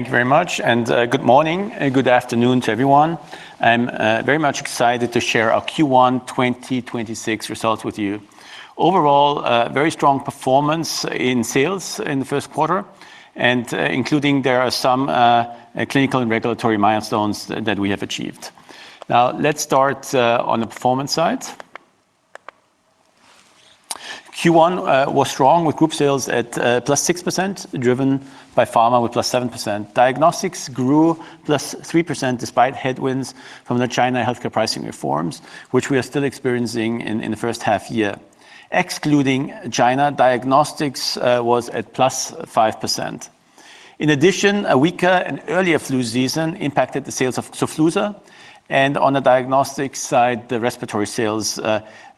Thank you very much, and good morning and good afternoon to everyone. I'm very much excited to share our Q1 2026 results with you. Overall, very strong performance in sales in the first quarter, including there are some clinical and regulatory milestones that we have achieved. Now let's start on the performance side. Q1 was strong with group sales at +6%, driven by Pharma with +7%. Diagnostics grew +3%, despite headwinds from the China healthcare pricing reforms, which we are still experiencing in the first half year. Excluding China, diagnostics was at +5%. In addition, a weaker and earlier flu season impacted the sales of Xofluza, and on the diagnostics side, the respiratory sales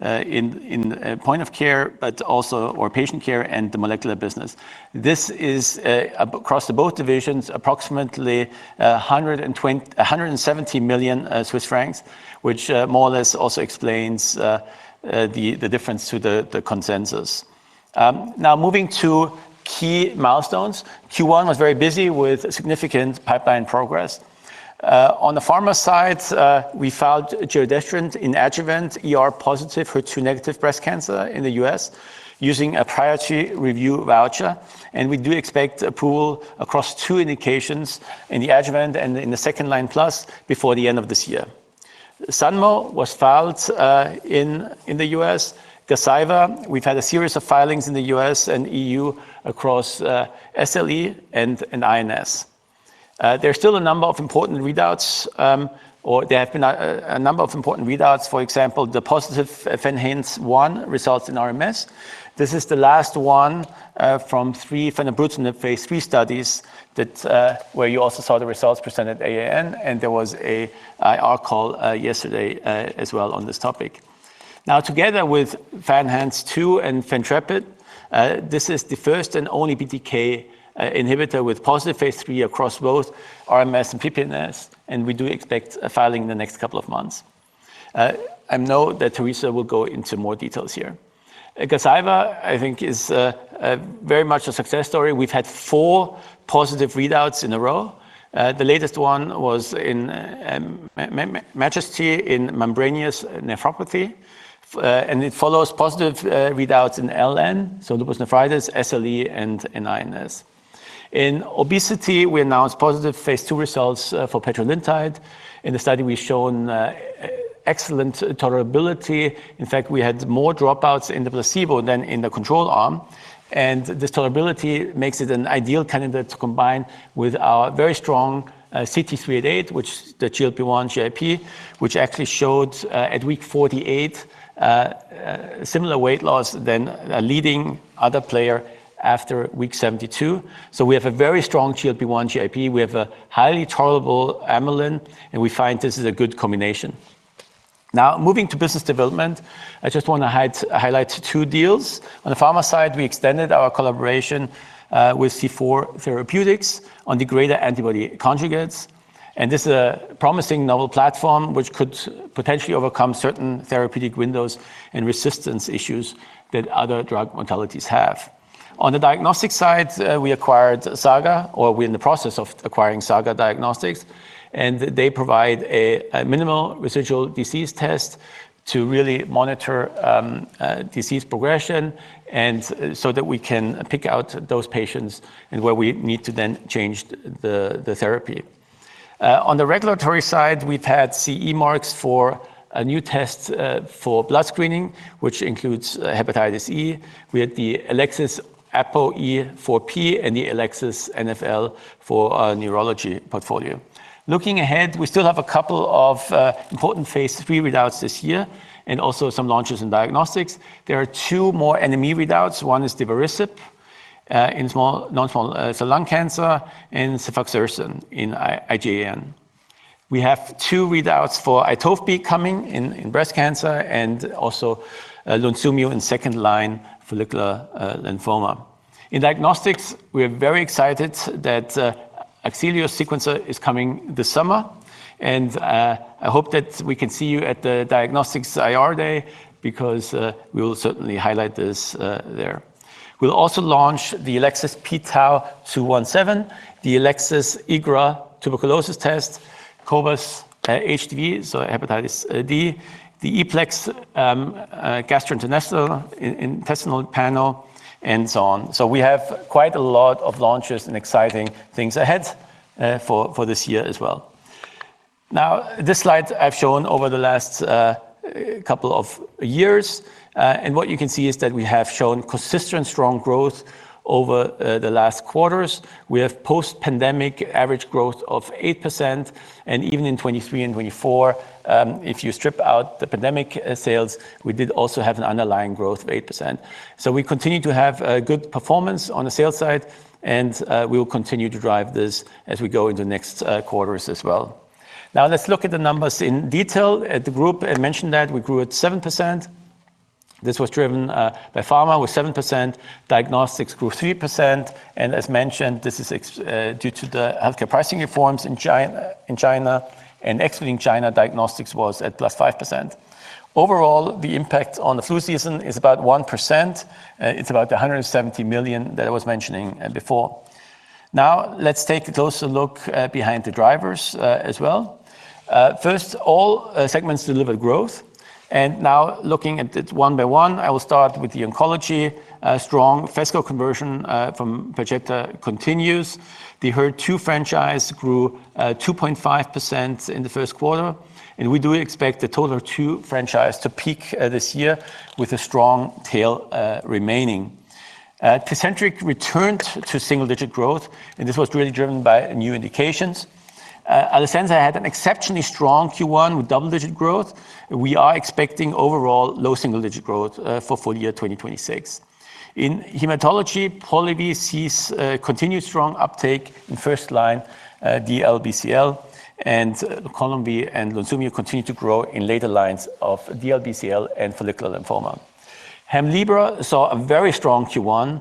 in point of care, but also in patient care and the molecular business. This is across both divisions, approximately 170 million Swiss francs, which more or less also explains the difference to the consensus. Now moving to key milestones. Q1 was very busy with significant pipeline progress. On the pharma side, we filed giredestrant in adjuvant ER-positive HER2-negative breast cancer in the U.S. using a priority review voucher, and we do expect approval across two indications in the adjuvant and in the second-line plus before the end of this year. Zunovo was filed in the U.S. Gazyva, we've had a series of filings in the U.S. and EU across SLE and INS. There's still a number of important readouts, or there have been a number of important readouts. For example, the positive FENhance 1 results in RMS. This is the last one from three fenebrutinib phase III studies where you also saw the results presented at AAN, and there was an IR call yesterday as well on this topic. Together with FENhance 2 and FENtrepid, this is the first and only BTK inhibitor with positive phase III across both RMS and PPMS, and we do expect a filing in the next couple of months. I know that Teresa will go into more details here. Gazyva, I think, is very much a success story. We've had four positive readouts in a row. The latest one was in MAJESTY in membranous nephropathy, and it follows positive readouts in LN, so lupus nephritis, SLE, and INS. In obesity, we announced positive phase II results for petrelintide. In the study, we've shown excellent tolerability. In fact, we had more dropouts in the placebo than in the control arm, and this tolerability makes it an ideal candidate to combine with our very strong CT-388, which the GLP-1/GIP, which actually showed at week 48 similar weight loss than a leading other player after week 72. We have a very strong GLP-1/GIP. We have a highly tolerable amylin, and we find this is a good combination. Now moving to business development, I just want to highlight two deals. On the pharma side, we extended our collaboration with C4 Therapeutics on the degrader-antibody conjugates. This is a promising novel platform which could potentially overcome certain therapeutic windows and resistance issues that other drug modalities have. On the diagnostic side, we acquired Saga, or we're in the process of acquiring Saga Diagnostics, and they provide a minimal residual disease test to really monitor disease progression and so that we can pick out those patients and where we need to then change the therapy. On the regulatory side, we've had CE marks for new tests for blood screening, which includes hepatitis E. We had the Elecsys ApoE4 and the Elecsys NfL for our neurology portfolio. Looking ahead, we still have a couple of important phase III readouts this year and also some launches in diagnostics. There are two more NME readouts. One is divarasib for lung cancer and cefoxitin in IgAN. We have two readouts for Itovebi coming in breast cancer and also Lunsumio in second-line follicular lymphoma. In diagnostics, we are very excited that Axelios sequencer is coming this summer, and I hope that we can see you at the Diagnostics Day because we'll certainly highlight this there. We'll also launch the Elecsys pTau217, the Elecsys IGRA tuberculosis test, cobas HDV, so hepatitis D, the ePlex gastrointestinal panel and so on. We have quite a lot of launches and exciting things ahead for this year as well. Now, this slide I've shown over the last couple of years, and what you can see is that we have shown consistent strong growth over the last quarters. We have post-pandemic average growth of 8%, and even in 2023 and 2024, if you strip out the pandemic sales, we did also have an underlying growth of 8%. We continue to have a good performance on the sales side, and we will continue to drive this as we go into next quarters as well. Now let's look at the numbers in detail at the group. I mentioned that we grew at 7%. This was driven by Pharma with 7%. Diagnostics grew 3%, and as mentioned, this is due to the healthcare pricing reforms in China, and excluding China, Diagnostics was at +5%. Overall, the impact on the flu season is about 1%. It's about the 170 million that I was mentioning before. Now, let's take a closer look behind the drivers as well. First, all segments delivered growth, and now looking at it one by one, I will start with the oncology strong fiscal conversion from Perjeta continues. The HER2 franchise grew 2.5% in the first quarter, and we do expect the HER2 franchise to peak this year with a strong tail remaining. Tecentriq returned to single-digit growth, and this was really driven by new indications. Alecensa had an exceptionally strong Q1 with double-digit growth. We are expecting overall low single-digit growth for full year 2026. In hematology, Polivy sees continued strong uptake in first-line DLBCL, and Columvi and Lunsumio continue to grow in later lines of DLBCL and follicular lymphoma. Hemlibra saw a very strong Q1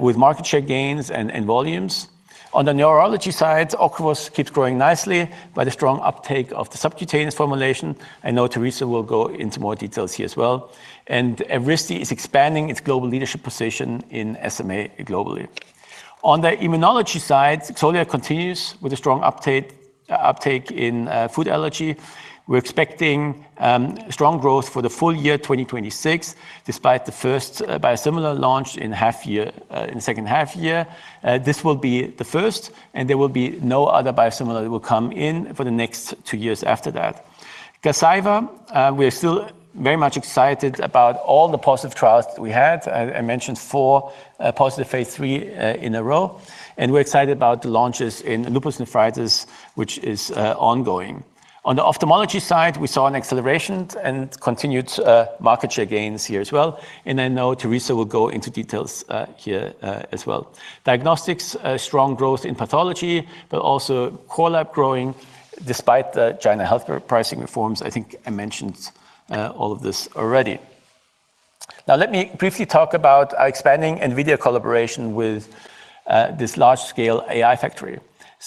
with market share gains and volumes. On the neurology side, Ocrevus keeps growing nicely by the strong uptake of the subcutaneous formulation. I know Teresa will go into more details here as well. Evrysdi is expanding its global leadership position in SMA globally. On the immunology side, Xolair continues with a strong uptake in food allergy. We're expecting strong growth for the full year 2026, despite the first biosimilar launch in second half year. This will be the first, and there will be no other biosimilar that will come in for the next two years after that. Gazyva, we're still very much excited about all the positive trials we had. I mentioned four positive phase III in a row, and we're excited about the launches in lupus nephritis, which is ongoing. On the ophthalmology side, we saw an acceleration and continued market share gains here as well. I know Teresa will go into details here as well. Diagnostics, strong growth in pathology, but also core lab growing despite the China healthcare pricing reforms. I think I mentioned all of this already. Now let me briefly talk about our expanding NVIDIA collaboration with this large-scale AI factory.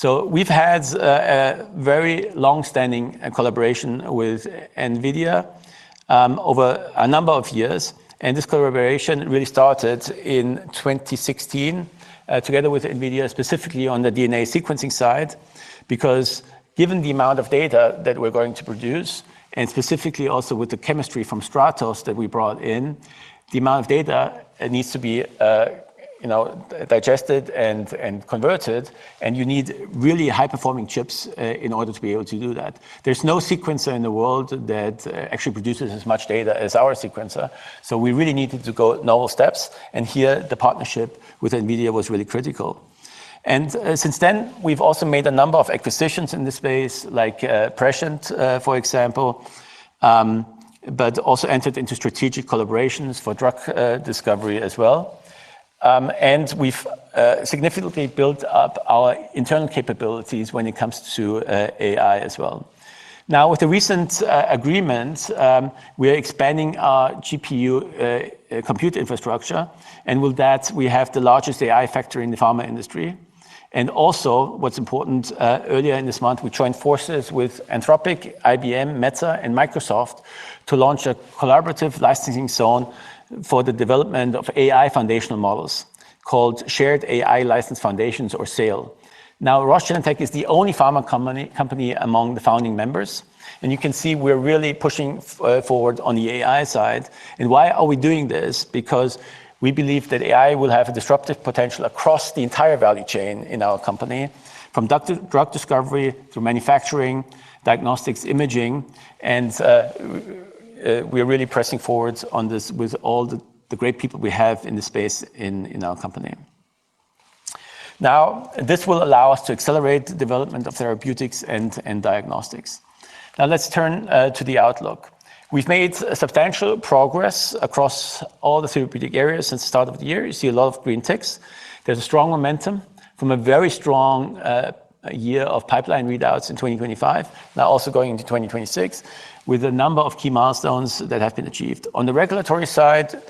We've had a very long-standing collaboration with NVIDIA over a number of years, and this collaboration really started in 2016 together with NVIDIA, specifically on the DNA sequencing side, because given the amount of data that we're going to produce, and specifically also with the chemistry from Stratos that we brought in, the amount of data needs to be digested and converted, and you need really high-performing chips in order to be able to do that. There's no sequencer in the world that actually produces as much data as our sequencer, so we really needed to go novel steps, and here the partnership with NVIDIA was really critical. Since then, we've also made a number of acquisitions in this space, like Prescient, for example, but also entered into strategic collaborations for drug discovery as well. We've significantly built up our internal capabilities when it comes to AI as well. Now, with the recent agreement, we're expanding our GPU compute infrastructure, and with that, we have the largest AI factory in the pharma industry. Also, what's important, earlier this month, we joined forces with Anthropic, IBM, Meta, and Microsoft to launch a collaborative licensing zone for the development of AI foundational models, called Shared AI License Foundations or SALE. Now, Roche Genentech is the only pharma company among the founding members, and you can see we're really pushing forward on the AI side. Why are we doing this? Because we believe that AI will have a disruptive potential across the entire value chain in our company, from drug discovery through manufacturing, diagnostics, imaging, and we are really pressing forward on this with all the great people we have in this space in our company. Now, this will allow us to accelerate the development of therapeutics and diagnostics. Now let's turn to the outlook. We've made substantial progress across all the therapeutic areas since the start of the year. You see a lot of green ticks. There's a strong momentum from a very strong year of pipeline readouts in 2025, now also going into 2026, with a number of key milestones that have been achieved. On the regulatory side,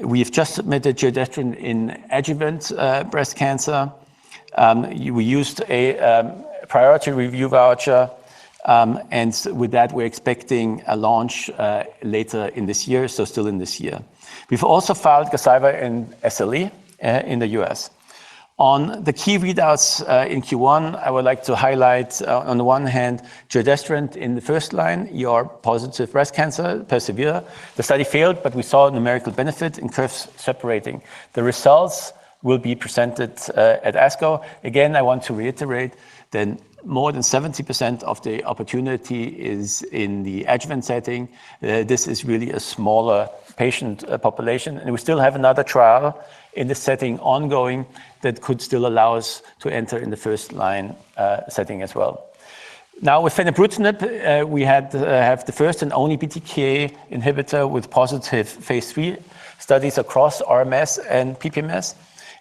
we've just submitted giredestrant in adjuvant breast cancer. We used a priority review voucher, and with that, we're expecting a launch later in this year, so still in this year. We've also filed Gazyva in SLE in the U.S. On the key readouts in Q1, I would like to highlight, on the one hand, lidERA in the first-line ER-positive breast cancer, persevERA. The study failed, but we saw a numerical benefit in curves separating. The results will be presented at ASCO. I want to reiterate that more than 70% of the opportunity is in the adjuvant setting. This is really a smaller patient population, and we still have another trial in this setting ongoing that could still allow us to enter in the first-line setting as well. Now, with fenebrutinib, we have the first and only BTK inhibitor with positive phase III studies across RMS and PPMS,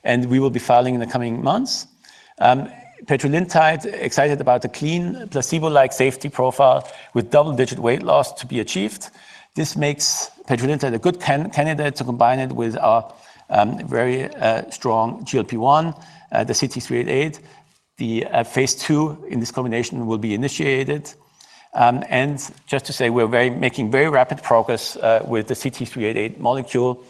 and we will be filing in the coming months. Petrelintide, excited about the clean, placebo-like safety profile with double-digit weight loss to be achieved. This makes petrelintide a good candidate to combine it with our very strong GLP-1, the CT-388. The phase II in this combination will be initiated. Just to say we're making very rapid progress with the CT-388 molecule.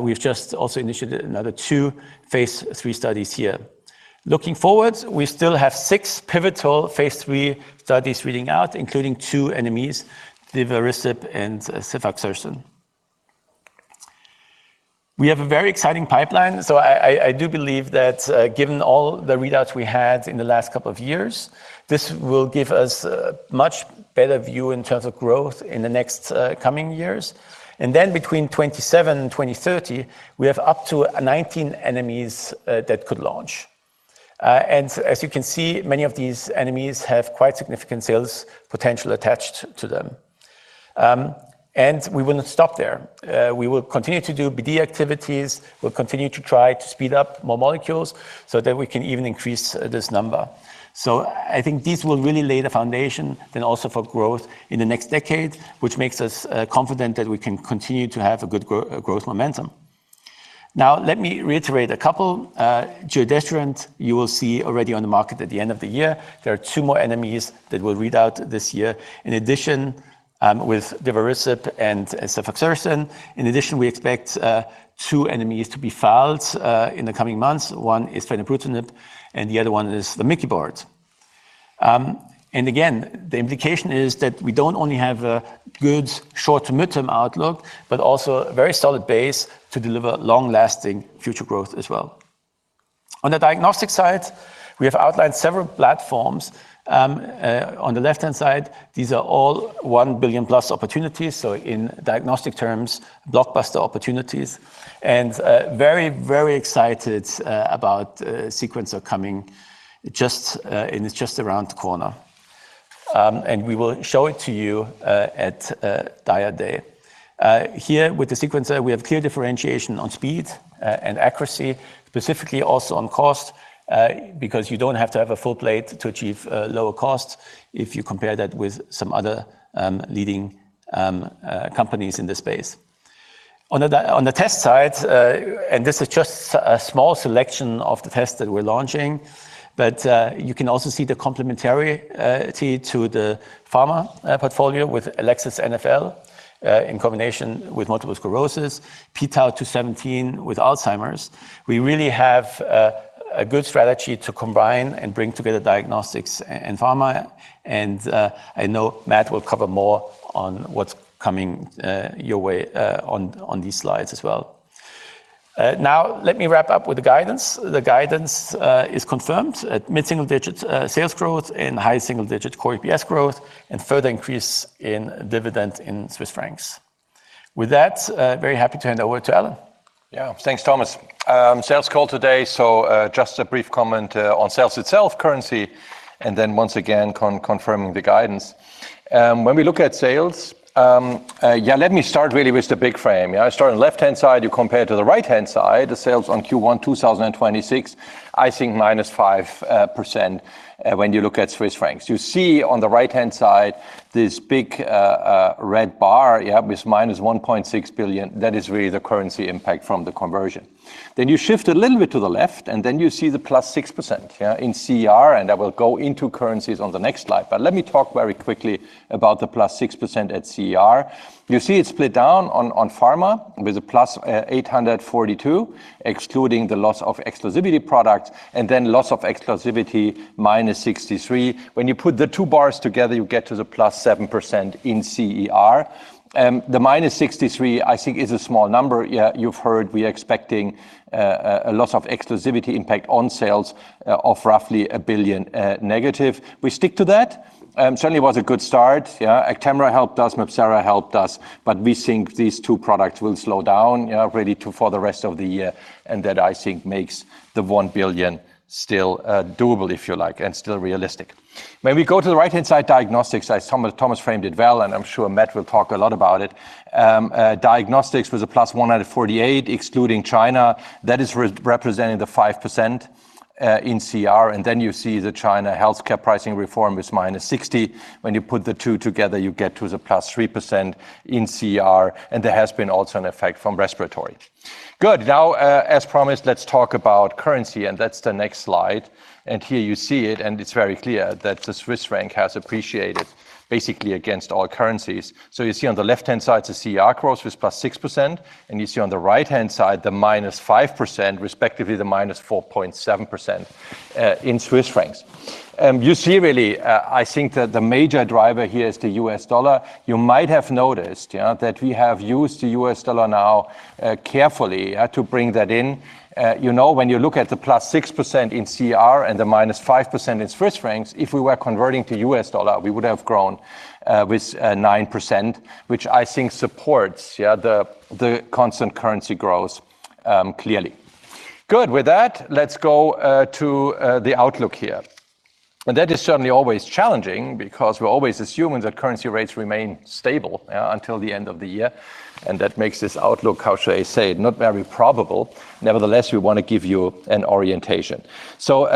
We've just also initiated another two phase III studies here. Looking forward, we still have six pivotal phase III studies reading out, including two NMEs, inavolisib and cefoxitisob. We have a very exciting pipeline. I do believe that given all the readouts we had in the last couple of years, this will give us a much better view in terms of growth in the next coming years. Between 2027 and 2030, we have up to 19 NMEs that could launch. As you can see, many of these NMEs have quite significant sales potential attached to them. We will not stop there. We will continue to do BD activities. We'll continue to try to speed up more molecules so that we can even increase this number. I think this will really lay the foundation then also for growth in the next decade, which makes us confident that we can continue to have a good growth momentum. Now let me reiterate a couple. Giredestrant, you will see already on the market at the end of the year. There are two more NMEs that will read out this year. In addition, with inavolisib and cefoxitisob. In addition, we expect two NMEs to be filed in the coming months. One is fenebrutinib and the other one is the Miki board. Again, the indication is that we don't only have a good short to midterm outlook, but also a very solid base to deliver long-lasting future growth as well. On the diagnostic side, we have outlined several platforms. On the left-hand side, these are all one billion plus opportunities, so in diagnostic terms, blockbuster opportunities and very excited about sequencer coming. It's just around the corner. We will show it to you at Diagnostics Day. Here with the sequencer, we have clear differentiation on speed and accuracy, specifically also on cost, because you don't have to have a full plate to achieve lower costs if you compare that with some other leading companies in this space. On the test side, and this is just a small selection of the tests that we're launching, but you can also see the complementarity to the pharma portfolio with Elecsys NfL in combination with multiple sclerosis, pTau217 with Alzheimer's. We really have a good strategy to combine and bring together diagnostics and pharma, and I know Matt will cover more on what's coming your way on these slides as well. Now let me wrap up with the guidance. The guidance is confirmed at mid-single-digit sales growth and high single-digit core EPS growth and further increase in dividend in Swiss francs. With that, very happy to hand over to Alan. Yeah. Thanks, Thomas. Sales call today. Just a brief comment on sales itself, currency, and then once again, confirming the guidance. When we look at sales, let me start really with the big frame. I start on the left-hand side. You compare to the right-hand side, the sales on Q1 2026, I think -5% when you look at Swiss francs. You see on the right-hand side this big red bar with -1.6 billion. That is really the currency impact from the conversion. Then you shift a little bit to the left, and then you see the +6% in CER, and I will go into currencies on the next slide. Let me talk very quickly about the +6% at CER. You see it split down on pharma with a +842 million, excluding the loss of exclusivity products and then loss of exclusivity -63 million. When you put the two bars together, you get to the +7% in CER. The -63, I think, is a small number. You've heard we are expecting a loss of exclusivity impact on sales of roughly a billion negative. We stick to that. It certainly was a good start. Actemra helped us, MabThera helped us, but we think these two products will slow down really for the rest of the year, and that, I think, makes the 1 billion still doable, if you like, and still realistic. When we go to the right-hand side, diagnostics, Thomas framed it well, and I'm sure Matt will talk a lot about it. Diagnostics was a +148, excluding China. That is representing the 5% in CER. You see the China healthcare pricing reform is -60. When you put the two together, you get to the +3% in CER, and there has been also an effect from respiratory. Good. Now, as promised, let's talk about currency, and that's the next slide. Here you see it, and it's very clear that the Swiss franc has appreciated basically against all currencies. You see on the left-hand side the CER cross was +6%, and you see on the right-hand side the -5%, respectively, the -4.7% in Swiss francs. You see really, I think that the major driver here is the US dollar. You might have noticed that we have used the US dollar now carefully to bring that in. When you look at the +6% in CER and the -5% in Swiss francs, if we were converting to US dollar, we would have grown with 9%, which I think supports the constant currency growth clearly. Good. With that, let's go to the outlook here. That is certainly always challenging because we're always assuming that currency rates remain stable until the end of the year and that makes this outlook, how should I say, not very probable. Nevertheless, we want to give you an orientation. So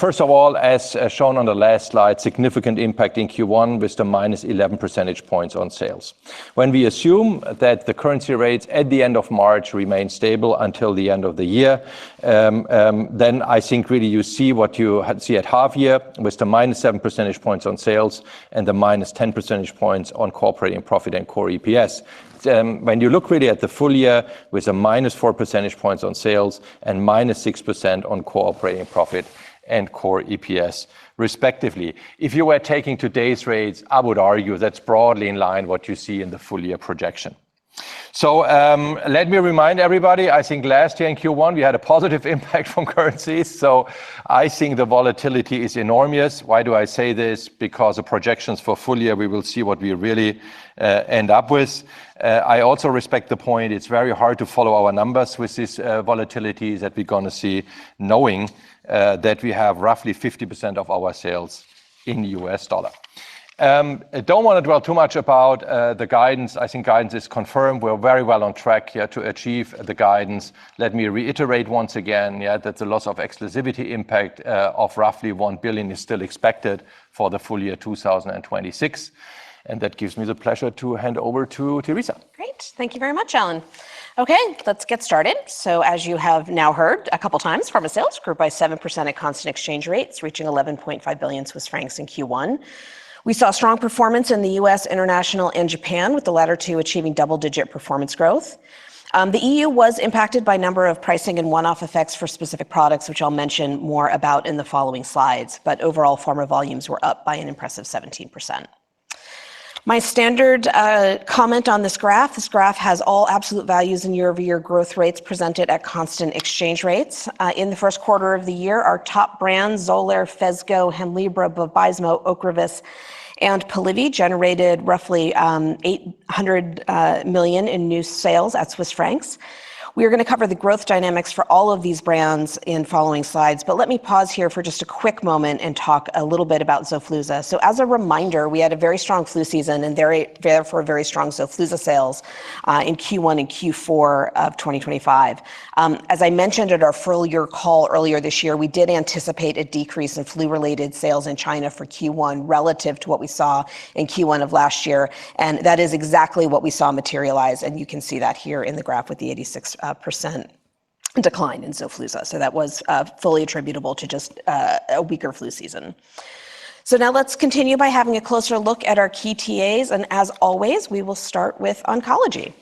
first of all, as shown on the last slide, significant impact in Q1 with the -11 percentage points on sales. When we assume that the currency rates at the end of March remain stable until the end of the year, then I think really you see what you have seen at half year with the -7 percentage points on sales and the -10 percentage points on core operating profit and core EPS. When you look really at the full year with a - 4 percentage points on sales and -6% on core operating profit and core EPS respectively. If you were taking today's rates, I would argue that's broadly in line with what you see in the full year projection. Let me remind everybody, I think last year in Q1 we had a positive impact from currencies. I think the volatility is enormous. Why do I say this? Because the projections for full year, we will see what we really end up with. I also respect the point, it's very hard to follow our numbers with this volatility that we're going to see knowing that we have roughly 50% of our sales in the U.S. dollar. I don't want to dwell too much about the guidance. I think guidance is confirmed. We're very well on track here to achieve the guidance. Let me reiterate once again, yeah, that the loss of exclusivity impact of roughly 1 billion is still expected for the full year 2026. That gives me the pleasure to hand over to Teresa. Great. Thank you very much, Alan. Okay, let's get started. As you have now heard a couple times, pharma sales grew by 7% at constant exchange rates, reaching 11.5 billion Swiss francs in Q1. We saw strong performance in the U.S., international, and Japan, with the latter two achieving double-digit performance growth. The EU was impacted by a number of pricing and one-off effects for specific products, which I'll mention more about in the following slides. Overall, pharma volumes were up by an impressive 17%. My standard comment on this graph, this graph has all absolute values and year-over-year growth rates presented at constant exchange rates. In the first quarter of the year, our top brands, Xolair, Phesgo, Hemlibra, Vabysmo, Ocrevus, and Polivy, generated roughly 800 million in new sales in Swiss francs. We are going to cover the growth dynamics for all of these brands in following slides, but let me pause here for just a quick moment and talk a little bit about Xofluza. As a reminder, we had a very strong flu season and therefore very strong Xofluza sales in Q1 and Q4 of 2025. As I mentioned at our full-year call earlier this year, we did anticipate a decrease in flu-related sales in China for Q1 relative to what we saw in Q1 of last year, and that is exactly what we saw materialize, and you can see that here in the graph with the 86% decline in Xofluza. That was fully attributable to just a weaker flu season. Now let's continue by having a closer look at our key TAs, and as always, we will start with oncology.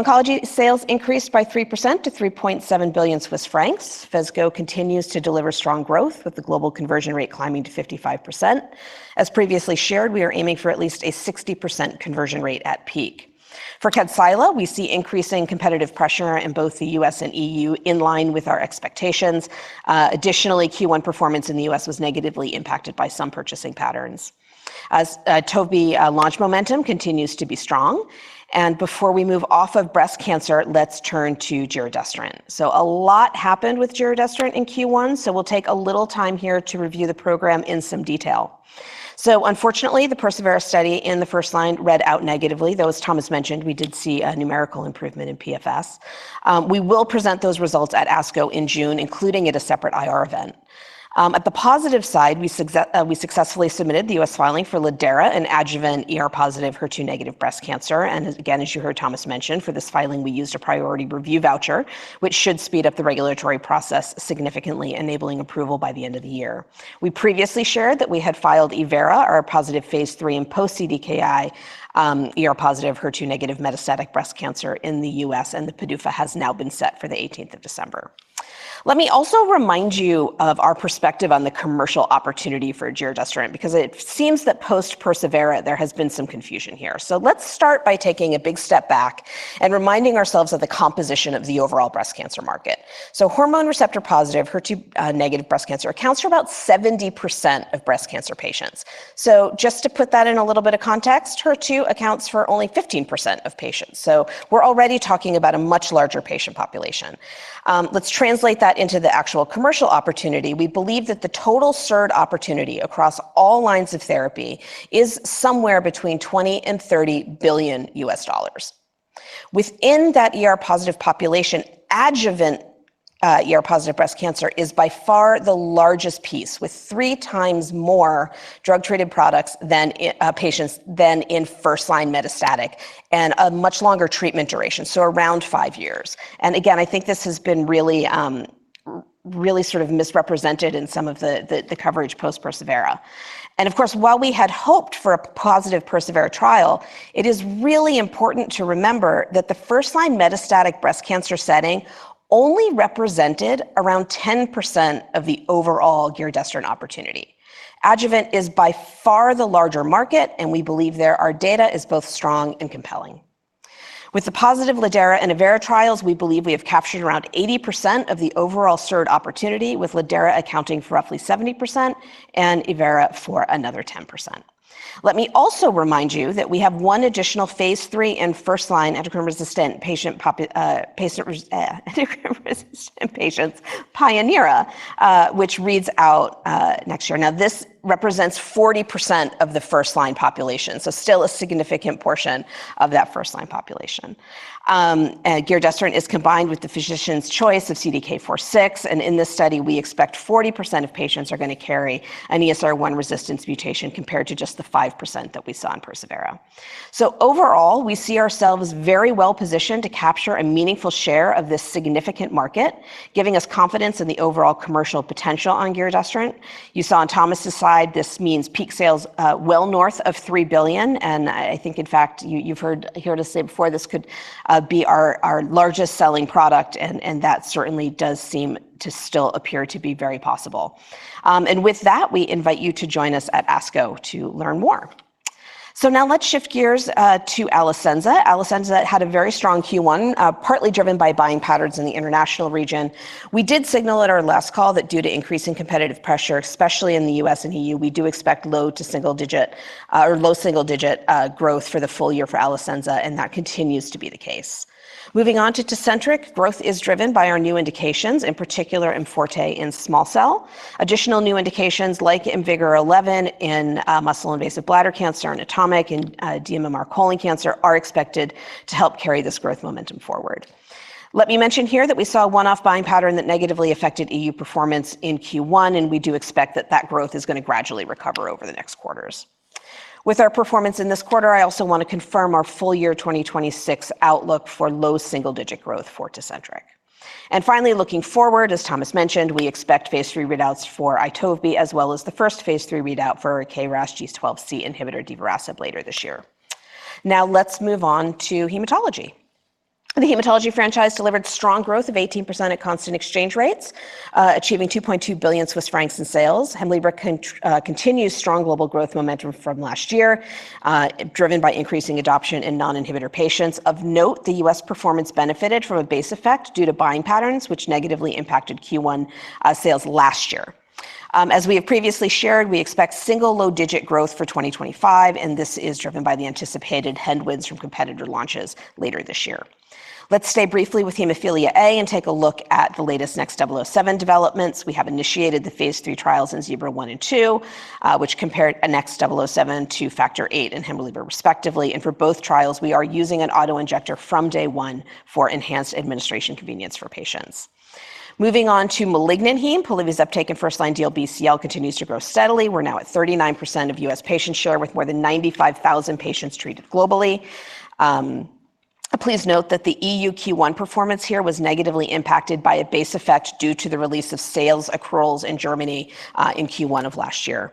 Oncology sales increased by 3% to 3.7 billion Swiss francs. Phesgo continues to deliver strong growth, with the global conversion rate climbing to 55%. As previously shared, we are aiming for at least a 60% conversion rate at peak. For Kadcyla, we see increasing competitive pressure in both the U.S. and EU, in line with our expectations. Additionally, Q1 performance in the U.S. was negatively impacted by some purchasing patterns. As the launch momentum continues to be strong, and before we move off of breast cancer, let's turn to giredestrant. A lot happened with giredestrant in Q1. We'll take a little time here to review the program in some detail. Unfortunately, the persevERA study in the first line read out negatively, though, as Thomas mentioned, we did see a numerical improvement in PFS. We will present those results at ASCO in June, including at a separate IR event. On the positive side, we successfully submitted the U.S. filing for lidERA, an adjuvant ER-positive, HER2-negative breast cancer. Again, as you heard Thomas mention, for this filing, we used a priority review voucher, which should speed up the regulatory process significantly, enabling approval by the end of the year. We previously shared that we had filed evERA, our positive phase III in post-CDK4/6 ER-positive, HER2-negative metastatic breast cancer in the U.S., and the PDUFA has now been set for the 18th of December. Let me also remind you of our perspective on the commercial opportunity for giredestrant, because it seems that post-persevERA, there has been some confusion here. Let's start by taking a big step back and reminding ourselves of the composition of the overall breast cancer market. Hormone receptor positive HER2-negative breast cancer accounts for about 70% of breast cancer patients. Just to put that in a little bit of context, HER2 accounts for only 15% of patients. We're already talking about a much larger patient population. Let's translate that into the actual commercial opportunity. We believe that the total SERD opportunity across all lines of therapy is somewhere between $20 billion-$30 billion. Within that ER-positive population, adjuvant ER-positive breast cancer is by far the largest piece, with three times more drug-treated patients than in first-line metastatic and a much longer treatment duration, so around five years. I think this has been really sort of misrepresented in some of the coverage post-persevERA. Of course, while we had hoped for a positive persevERA trial, it is really important to remember that the first-line metastatic breast cancer setting only represented around 10% of the overall giredestrant opportunity. Adjuvant is by far the larger market, and we believe there our data is both strong and compelling. With the positive lidERA and evERA trials, we believe we have captured around 80% of the overall SERD opportunity, with lidERA accounting for roughly 70% and evERA for another 10%. Let me also remind you that we have one additional phase III and first-line endocrine resistant patient, endocrine resistant patients pionERA, which reads out next year. Now, this represents 40% of the first-line population, so still a significant portion of that first-line population. Giredestrant is combined with the physician's choice of CDK4/6. In this study, we expect 40% of patients are going to carry an ESR1 resistance mutation compared to just the 5% that we saw in persevERA. Overall, we see ourselves very well positioned to capture a meaningful share of this significant market, giving us confidence in the overall commercial potential on giredestrant. You saw on Thomas's slide this means peak sales, well north of 3 billion, and I think in fact, you've heard Hirota say before this could be our largest selling product, and that certainly does seem to still appear to be very possible. With that, we invite you to join us at ASCO to learn more. Now let's shift gears to Alecensa. Alecensa had a very strong Q1, partly driven by buying patterns in the international region. We did signal at our last call that due to increasing competitive pressure, especially in the U.S. and EU, we do expect low- to single-digit or low single-digit growth for the full year for Alecensa, and that continues to be the case. Moving on to Tecentriq. Growth is driven by our new indications, in particular IMforte in small cell. Additional new indications like IMvigor011 in muscle-invasive bladder cancer and ATOMIC in dMMR colon cancer are expected to help carry this growth momentum forward. Let me mention here that we saw a one-off buying pattern that negatively affected EU performance in Q1, and we do expect that growth is going to gradually recover over the next quarters. With our performance in this quarter, I also want to confirm our full year 2026 outlook for low double-digit growth for Tecentriq. Finally, looking forward, as Thomas mentioned, we expect phase III readouts for Itovebi as well as the first phase III readout for KRAS G12C inhibitor divarasib later this year. Now let's move on to hematology. The hematology franchise delivered strong growth of 18% at constant exchange rates, achieving 2.2 billion Swiss francs in sales. Hemlibra continues strong global growth momentum from last year, driven by increasing adoption in non-inhibitor patients. Of note, the U.S. performance benefited from a base effect due to buying patterns, which negatively impacted Q1 sales last year. As we have previously shared, we expect single low-digit growth for 2025, and this is driven by the anticipated headwinds from competitor launches later this year. Let's stay briefly with hemophilia A and take a look at the latest NXT007 developments. We have initiated the phase III trials in Zebra 1 and 2, which compared NXT007 to factor VIII in Hemlibra respectively. For both trials, we are using an auto-injector from day one for enhanced administration convenience for patients. Moving on to malignant heme. Polivy in first-line DLBCL continues to grow steadily. We're now at 39% of U.S. patient share, with more than 95,000 patients treated globally. Please note that the EU Q1 performance here was negatively impacted by a base effect due to the release of sales accruals in Germany, in Q1 of last year.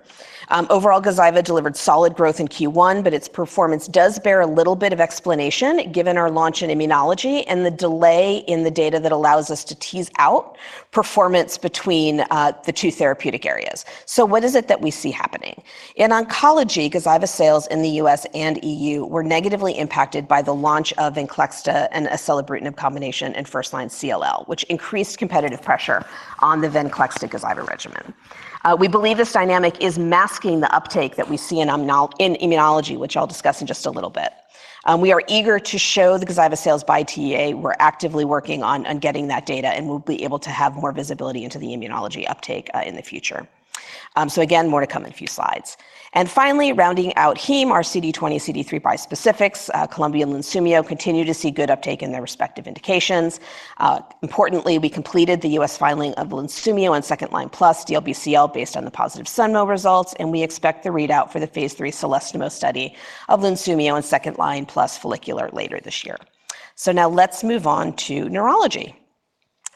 Overall, Gazyva delivered solid growth in Q1, but its performance does bear a little bit of explanation given our launch in immunology and the delay in the data that allows us to tease out performance between the two therapeutic areas. What is it that we see happening? In oncology, Gazyva sales in the U.S. and EU were negatively impacted by the launch of Venclexta and Acalabrutinib combination in first-line CLL, which increased competitive pressure on the Venclexta/Gazyva regimen. We believe this dynamic is masking the uptake that we see in immunology, which I'll discuss in just a little bit. We are eager to show the Gazyva sales by TEA. We're actively working on getting that data, and we'll be able to have more visibility into the immunology uptake in the future. Again, more to come in a few slides. Finally, rounding out heme, our CD20/CD3 bispecifics, Columvi and Lunsumio, continue to see good uptake in their respective indications. Importantly, we completed the U.S. filing of Lunsumio in second-line plus DLBCL based on the positive SEMNO results, and we expect the readout for the phase III CELESTIMO study of Lunsumio in second-line plus follicular later this year. Now let's move on to neurology.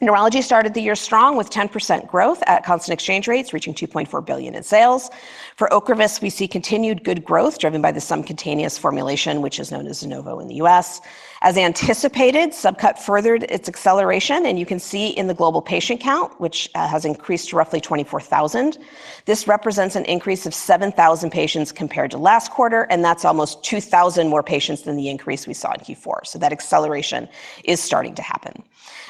Neurology started the year strong with 10% growth at constant exchange rates reaching 2.4 billion in sales. For Ocrevus, we see continued good growth driven by the subcutaneous formulation, which is known as Zunovo in the U.S. As anticipated, subcut furthered its acceleration, and you can see in the global patient count, which has increased to roughly 24,000. This represents an increase of 7,000 patients compared to last quarter, and that's almost 2,000 more patients than the increase we saw in Q4. That acceleration is starting to happen.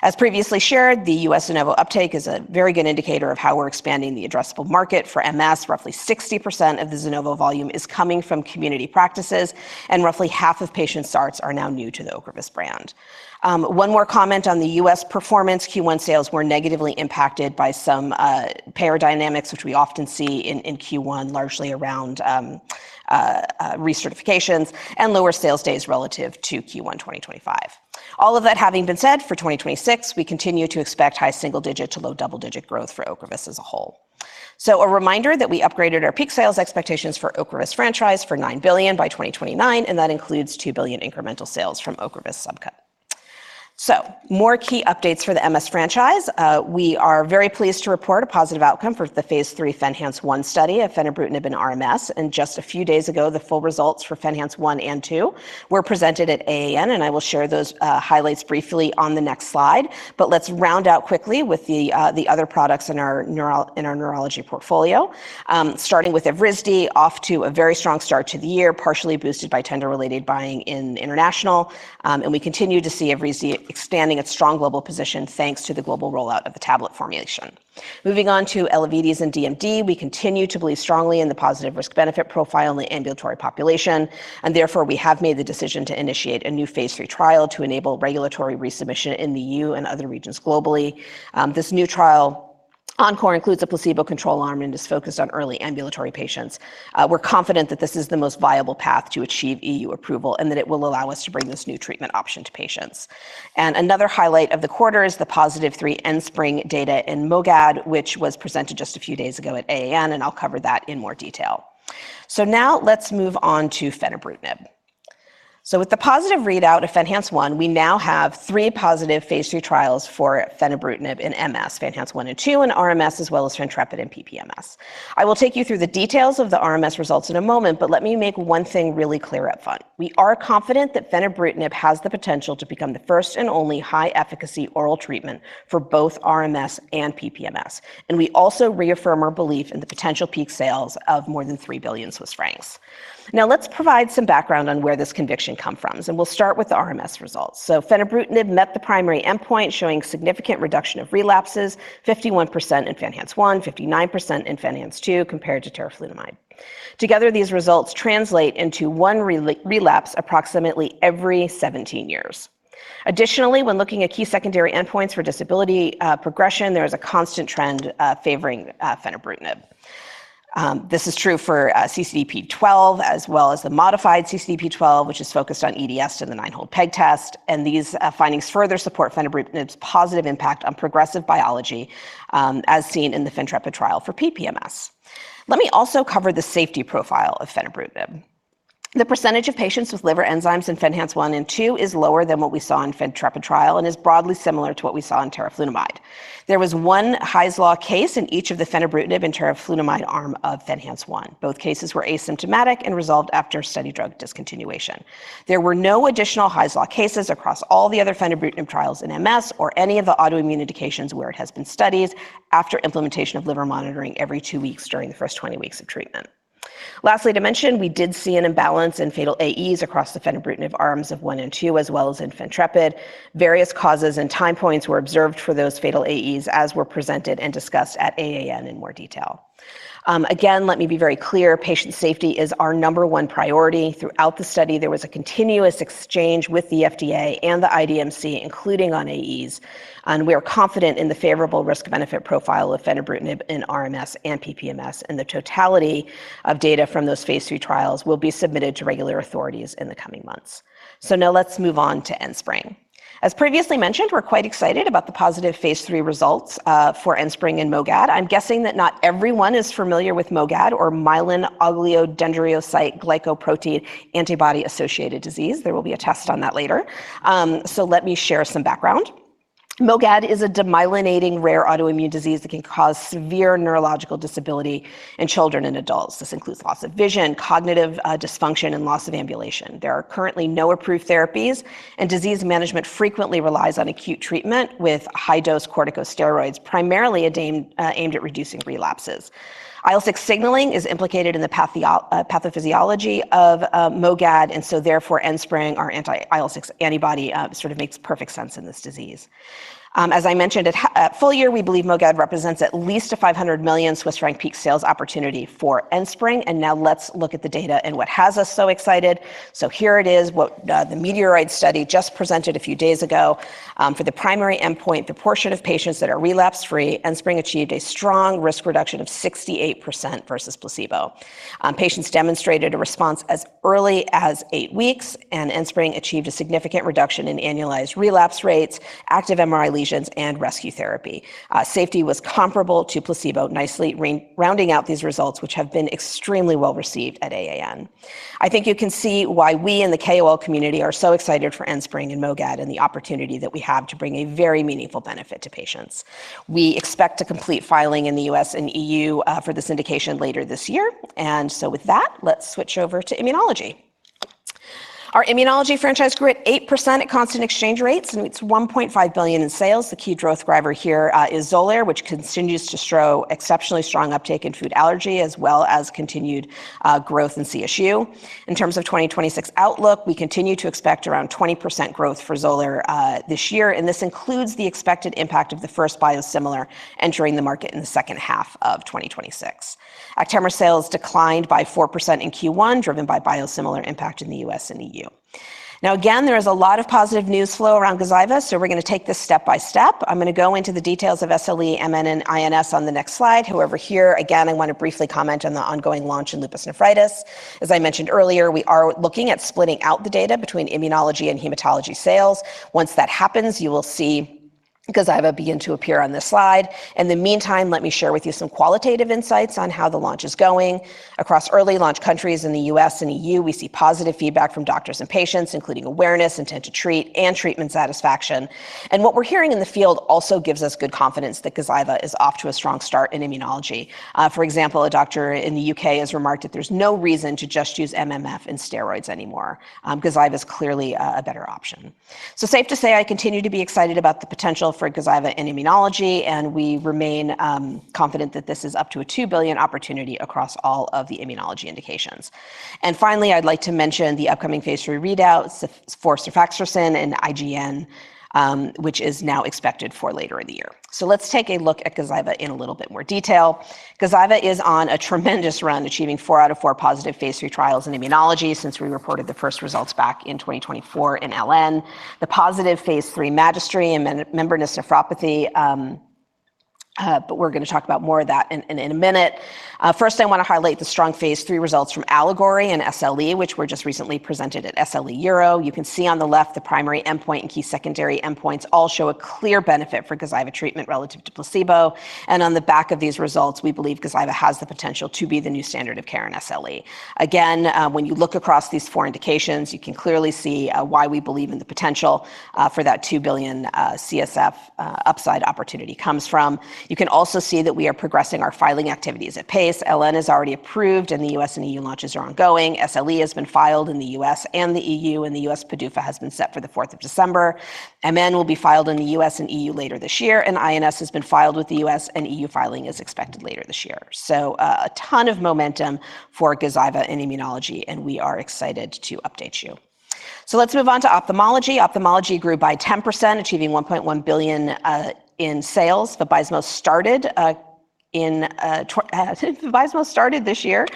As previously shared, the U.S. Zunovo uptake is a very good indicator of how we're expanding the addressable market for MS. Roughly 60% of the Zunovo volume is coming from community practices, and roughly half of patient starts are now new to the Ocrevus brand. One more comment on the U.S. performance. Q1 sales were negatively impacted by some payer dynamics, which we often see in Q1, largely around recertifications and lower sales days relative to Q1 2025. All of that having been said, for 2026, we continue to expect high single-digit to low double-digit growth for Ocrevus as a whole. A reminder that we upgraded our peak sales expectations for Ocrevus franchise for 9 billion by 2029, and that includes 2 billion incremental sales from Ocrevus subcut. More key updates for the MS franchise. We are very pleased to report a positive outcome for the phase III FENhance 1 study of fenebrutinib in RMS. Just a few days ago, the full results for FENhance 1 and 2 were presented at AAN, and I will share those highlights briefly on the next slide. Let's round out quickly with the other products in our neurology portfolio. Starting with Evrysdi, off to a very strong start to the year, partially boosted by tender-related buying in international. We continue to see Evrysdi expanding its strong global position thanks to the global rollout of the tablet formulation. Moving on to ELAVIDYS and DMD. We continue to believe strongly in the positive risk-benefit profile in the ambulatory population, and therefore, we have made the decision to initiate a new phase III trial to enable regulatory resubmission in the EU and other regions globally. This new trial, ENCORE, includes a placebo control arm and is focused on early ambulatory patients. We're confident that this is the most viable path to achieve EU approval and that it will allow us to bring this new treatment option to patients. Another highlight of the quarter is the positive phase III Enspryng data in MOGAD, which was presented just a few days ago at AAN, and I'll cover that in more detail. Now let's move on to fenebrutinib. With the positive readout of FENhance 1, we now have three positive phase II trials for fenebrutinib in MS, FENhance 1 and 2 in RMS, as well as FENtrepid in PPMS. I will take you through the details of the RMS results in a moment, but let me make one thing really clear up front. We are confident that fenebrutinib has the potential to become the first and only high-efficacy oral treatment for both RMS and PPMS. We also reaffirm our belief in the potential peak sales of more than 3 billion Swiss francs. Now let's provide some background on where this conviction come from, and we'll start with the RMS results. Fenebrutinib met the primary endpoint, showing significant reduction of relapses, 51% in FENhance 1, 59% in FENhance 2, compared to teriflunomide. Together, these results translate into one relapse approximately every 17 years. Additionally, when looking at key secondary endpoints for disability progression, there is a constant trend favoring fenebrutinib. This is true for CCDP-12 as well as the modified CCDP-12, which is focused on EDSS in the nine-hole peg test, and these findings further support fenebrutinib's positive impact on progressive biology as seen in the FENtrepid trial for PPMS. Let me also cover the safety profile of fenebrutinib. The percentage of patients with liver enzymes in FENhance 1 and 2 is lower than what we saw in FENtrepid trial and is broadly similar to what we saw in teriflunomide. There was one Hy's Law case in each of the fenebrutinib and teriflunomide arm of FENhance 1. Both cases were asymptomatic and resolved after study drug discontinuation. There were no additional Hy's Law cases across all the other fenebrutinib trials in MS or any of the autoimmune indications where it has been studied after implementation of liver monitoring every two weeks during the first 20 weeks of treatment. Lastly, to mention, we did see an imbalance in fatal AEs across the fenebrutinib arms of 1 and 2, as well as in FENtrepid. Various causes and time points were observed for those fatal AEs, as were presented and discussed at AAN in more detail. Again, let me be very clear. Patient safety is our number one priority. Throughout the study, there was a continuous exchange with the FDA and the IDMC, including on AEs, and we are confident in the favorable risk-benefit profile of fenebrutinib in RMS and PPMS, and the totality of data from those phase II trials will be submitted to regulatory authorities in the coming months. Now let's move on to Enspryng. As previously mentioned, we're quite excited about the positive phase III results for Enspryng in MOGAD. I'm guessing that not everyone is familiar with MOGAD, or myelin oligodendrocyte glycoprotein antibody associated disease. There will be a test on that later. Let me share some background. MOGAD is a demyelinating rare autoimmune disease that can cause severe neurological disability in children and adults. This includes loss of vision, cognitive dysfunction and loss of ambulation. There are currently no approved therapies, and disease management frequently relies on acute treatment with high-dose corticosteroids, primarily aimed at reducing relapses. IL-6 signaling is implicated in the pathophysiology of MOGAD, and so therefore Enspryng, our anti-IL-6 antibody, sort of makes perfect sense in this disease. As I mentioned, at full year, we believe MOGAD represents at least 500 million Swiss franc peak sales opportunity for Enspryng, and now let's look at the data and what has us so excited. Here it is, what the METEOROID study just presented a few days ago. For the primary endpoint, the portion of patients that are relapse-free, Enspryng achieved a strong risk reduction of 68% versus placebo. Patients demonstrated a response as early as eight weeks, and Enspryng achieved a significant reduction in annualized relapse rates, active MRI lesions, and rescue therapy. Safety was comparable to placebo, nicely rounding out these results, which have been extremely well-received at AAN. I think you can see why we in the KOL community are so excited for Enspryng and MOGAD and the opportunity that we have to bring a very meaningful benefit to patients. We expect to complete filing in the U.S. and EU for this indication later this year, so with that, let's switch over to immunology. Our immunology franchise grew at 8% at constant exchange rates, and it's 1.5 billion in sales. The key growth driver here is Xolair, which continues to show exceptionally strong uptake in food allergy, as well as continued growth in CSU. In terms of 2026 outlook, we continue to expect around 20% growth for Xolair this year, and this includes the expected impact of the first biosimilar entering the market in the second half of 2026. Actemra sales declined by 4% in Q1, driven by biosimilar impact in the U.S. and EU. Now again, there is a lot of positive news flow around Gazyva, so we're going to take this step by step. I'm going to go into the details of SLE, MN, and INS on the next slide. However, here again, I want to briefly comment on the ongoing launch in lupus nephritis. As I mentioned earlier, we are looking at splitting out the data between immunology and hematology sales. Once that happens, you will see Gazyva begin to appear on this slide. In the meantime, let me share with you some qualitative insights on how the launch is going. Across early launch countries in the U.S. and EU, we see positive feedback from doctors and patients, including awareness, intent to treat, and treatment satisfaction. What we're hearing in the field also gives us good confidence that Gazyva is off to a strong start in immunology. For example, a doctor in the U.K. has remarked that there's no reason to just use MMF and steroids anymore. Gazyva is clearly a better option. Safe to say, I continue to be excited about the potential for Gazyva in immunology, and we remain confident that this is up to a 2 billion opportunity across all of the immunology indications. Finally, I'd like to mention the upcoming phase III readout for cerfactronin and IGN, which is now expected for later in the year. Let's take a look at Gazyva in a little bit more detail. Gazyva is on a tremendous run, achieving four out of four positive phase III trials in immunology since we reported the first results back in 2024 in LN. The positive phase III MAJESTY in membranous nephropathy, but we're going to talk about more of that in a minute. First, I want to highlight the strong phase III results from ALLEGORY and SLE, which were just recently presented at SLEuro. You can see on the left the primary endpoint and key secondary endpoints all show a clear benefit for Gazyva treatment relative to placebo. On the back of these results, we believe Gazyva has the potential to be the new standard of care in SLE. Again, when you look across these four indications, you can clearly see why we believe in the potential for that $2 billion CSF upside opportunity comes from. You can also see that we are progressing our filing activities at pace. LN is already approved and the U.S. and EU launches are ongoing. SLE has been filed in the U.S. and the EU, and the U.S. PDUFA has been set for the 4th of December. MN will be filed in the U.S. and EU later this year. IgAN has been filed in the U.S., and EU filing is expected later this year. A ton of momentum for Gazyva in immunology, and we are excited to update you. Let's move on to ophthalmology. Ophthalmology grew by 10%, achieving $1.1 billion in sales. Vabysmo started this year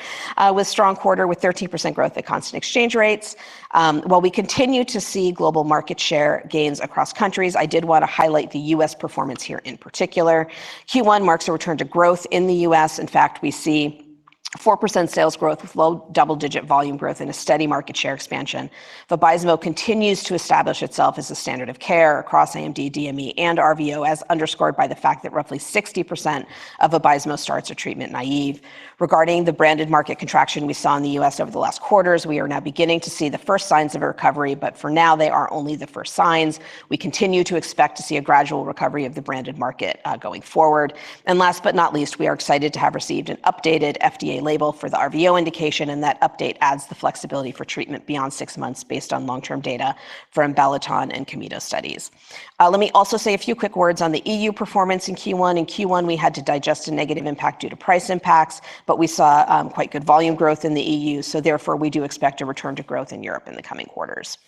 with strong quarter with 13% growth at constant exchange rates. While we continue to see global market share gains across countries, I did want to highlight the U.S. performance here in particular. Q1 marks a return to growth in the U.S. In fact, we see 4% sales growth with low double-digit volume growth and a steady market share expansion. Vabysmo continues to establish itself as a standard of care across AMD, DME, and RVO, as underscored by the fact that roughly 60% of Vabysmo starts are treatment naive. Regarding the branded market contraction we saw in the US over the last quarters, we are now beginning to see the first signs of a recovery. For now, they are only the first signs. We continue to expect to see a gradual recovery of the branded market going forward. Last but not least, we are excited to have received an updated FDA label for the RVO indication, and that update adds the flexibility for treatment beyond six months based on long-term data from BALATON and COMINO studies. Let me also say a few quick words on the EU performance in Q1. In Q1, we had to digest a negative impact due to price impacts, but we saw quite good volume growth in the EU, so therefore, we do expect a return to growth in Europe in the coming quarters.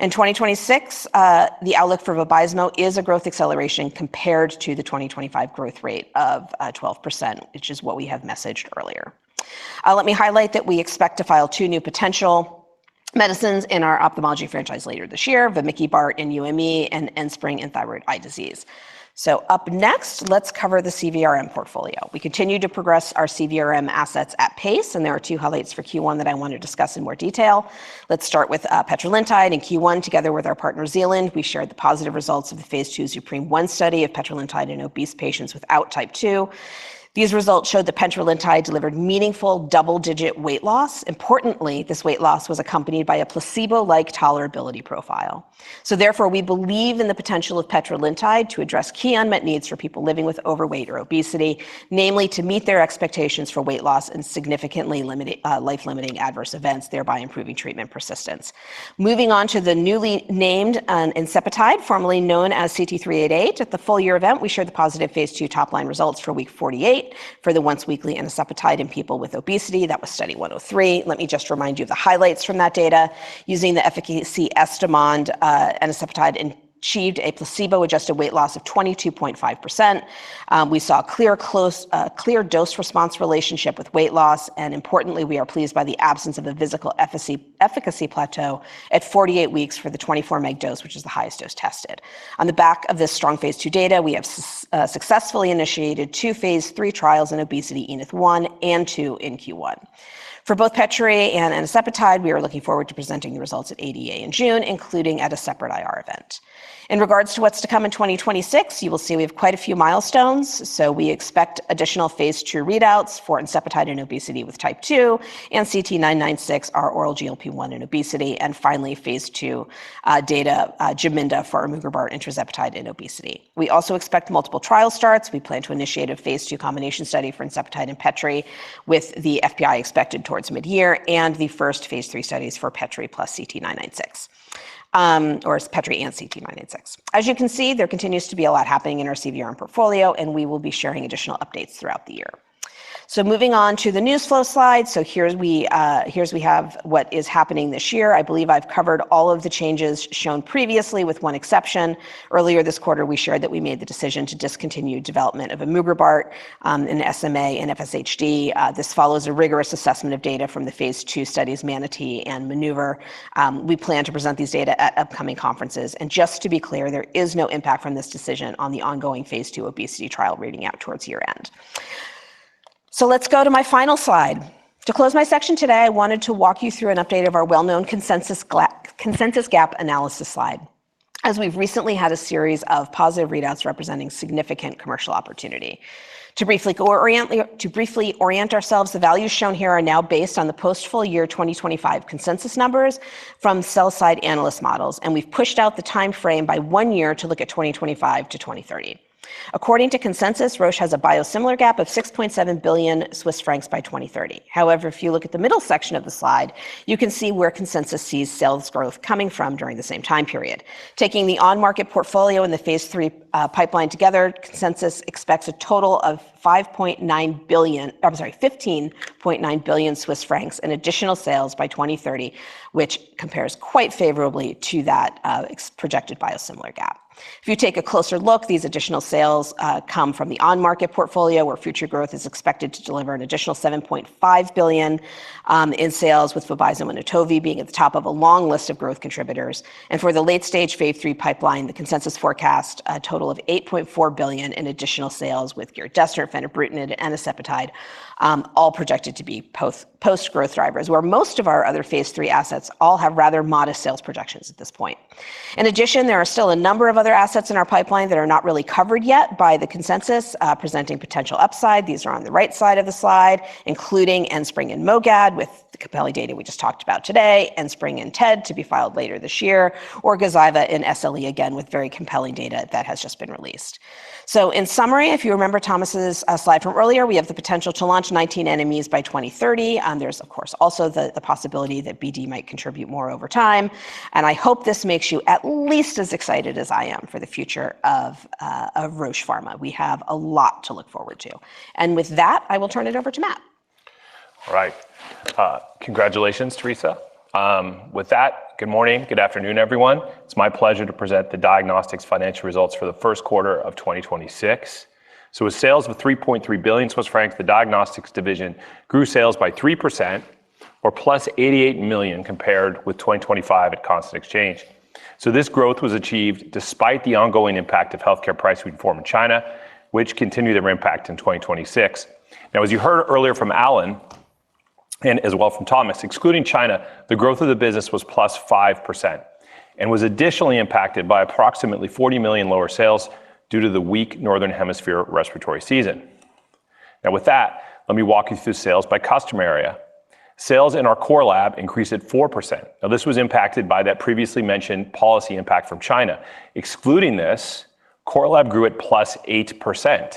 In 2026, the outlook for Vabysmo is a growth acceleration compared to the 2025 growth rate of 12%, which is what we have messaged earlier. Let me highlight that we expect to file two new potential medicines in our ophthalmology franchise later this year, Varmecibart in UME and Enspryng in thyroid eye disease. Up next, let's cover the CVRM portfolio. We continue to progress our CVRM assets at pace, and there are two highlights for Q1 that I want to discuss in more detail. Let's start with petrelintide. In Q1, together with our partner Zealand, we shared the positive results of the phase II ZUPREME-1 study of petrelintide in obese patients without type 2. These results showed that petrelintide delivered meaningful double-digit weight loss. Importantly, this weight loss was accompanied by a placebo-like tolerability profile. Therefore, we believe in the potential of petrelintide to address key unmet needs for people living with overweight or obesity, namely to meet their expectations for weight loss and significantly life-limiting adverse events, thereby improving treatment persistence. Moving on to the newly named insepotide, formerly known as CT-388. At the full-year event, we shared the positive phase II top-line results for week 48 for the once-weekly insepotide in people with obesity. That was Study 103. Let me just remind you of the highlights from that data. Using the efficacy estimand, insepotide achieved a placebo-adjusted weight loss of 22.5%. We saw a clear dose response relationship with weight loss, and importantly, we are pleased by the absence of a visible efficacy plateau at 48 weeks for the 24 mg dose, which is the highest dose tested. On the back of this strong phase II data, we have successfully initiated two phase III trials in obesity ENITH 1 and 2 in Q1. For both petrelintide and carmotide, we are looking forward to presenting the results at ADA in June, including at a separate IR event. In regard to what's to come in 2026, you will see we have quite a few milestones. We expect additional phase II readouts for carmotide in obesity with type 2 and CT-996, our oral GLP-1 in obesity. Finally, phase II data, Geminda for emugrobart tirzepatide in obesity. We also expect multiple trial starts. We plan to initiate a phase II combination study for insepotide and petrelintide with the FPI expected towards mid-year, and the first phase III studies for petrelintide plus CT-996, or petrelintide and CT-996. As you can see, there continues to be a lot happening in our CVRM portfolio, and we will be sharing additional updates throughout the year. Moving on to the news flow slide. Here we have what is happening this year. I believe I've covered all of the changes shown previously, with one exception. Earlier this quarter, we shared that we made the decision to discontinue development of emugrobart in SMA and FSHD. This follows a rigorous assessment of data from the phase II studies, MANATEE and MANOEUVRE. We plan to present these data at upcoming conferences. Just to be clear, there is no impact from this decision on the ongoing phase II obesity trial reading out towards year-end. Let's go to my final slide. To close my section today, I wanted to walk you through an update of our well-known consensus gap analysis slide as we've recently had a series of positive readouts representing significant commercial opportunity. To briefly orient ourselves, the values shown here are now based on the post full year 2025 consensus numbers from sell-side analyst models, and we've pushed out the timeframe by one year to look at 2025 to 2030. According to consensus, Roche has a biosimilar gap of 6.7 billion Swiss francs by 2030. However, if you look at the middle section of the slide, you can see where consensus sees sales growth coming from during the same time period. Taking the on-market portfolio and the phase III pipeline together, consensus expects a total of 5.9 billion, I'm sorry, 15.9 billion Swiss francs in additional sales by 2030, which compares quite favorably to that projected by a similar group. If you take a closer look, these additional sales come from the on-market portfolio, where future growth is expected to deliver an additional 7.5 billion in sales with Vabysmo and Ocrevus being at the top of a long list of growth contributors. For the late-stage phase III pipeline, the consensus forecast a total of 8.4 billion in additional sales with giredestrant, fenebrutinib, and petrelintide all projected to be big-growth drivers, where most of our other phase III assets all have rather modest sales projections at this point. In addition, there are still a number of other assets in our pipeline that are not really covered yet by the consensus, presenting potential upside. These are on the right side of the slide, including Enspryng and MOGAD with the compelling data we just talked about today, Enspryng and TED to be filed later this year, or Gazyva and SLE, again with very compelling data that has just been released. In summary, if you remember Thomas's slide from earlier, we have the potential to launch 19 NMEs by 2030. There's of course also the possibility that BD might contribute more over time, and I hope this makes you at least as excited as I am for the future of Roche Pharma. We have a lot to look forward to. With that, I will turn it over to Matt. All right. Congratulations, Teresa. With that, good morning, good afternoon, everyone. It's my pleasure to present the diagnostics financial results for the first quarter of 2026. With sales of 3.3 billion Swiss francs, the diagnostics division grew sales by 3% or +88 million compared with 2025 at constant exchange. This growth was achieved despite the ongoing impact of healthcare price reform in China, which continued their impact in 2026. Now, as you heard earlier from Alan, and as well from Thomas, excluding China, the growth of the business was +5% and was additionally impacted by approximately 40 million lower sales due to the weak Northern Hemisphere respiratory season. Now with that, let me walk you through sales by customer area. Sales in our Core Lab increased at 4%. Now this was impacted by that previously mentioned policy impact from China. Excluding this, core lab grew at +8%.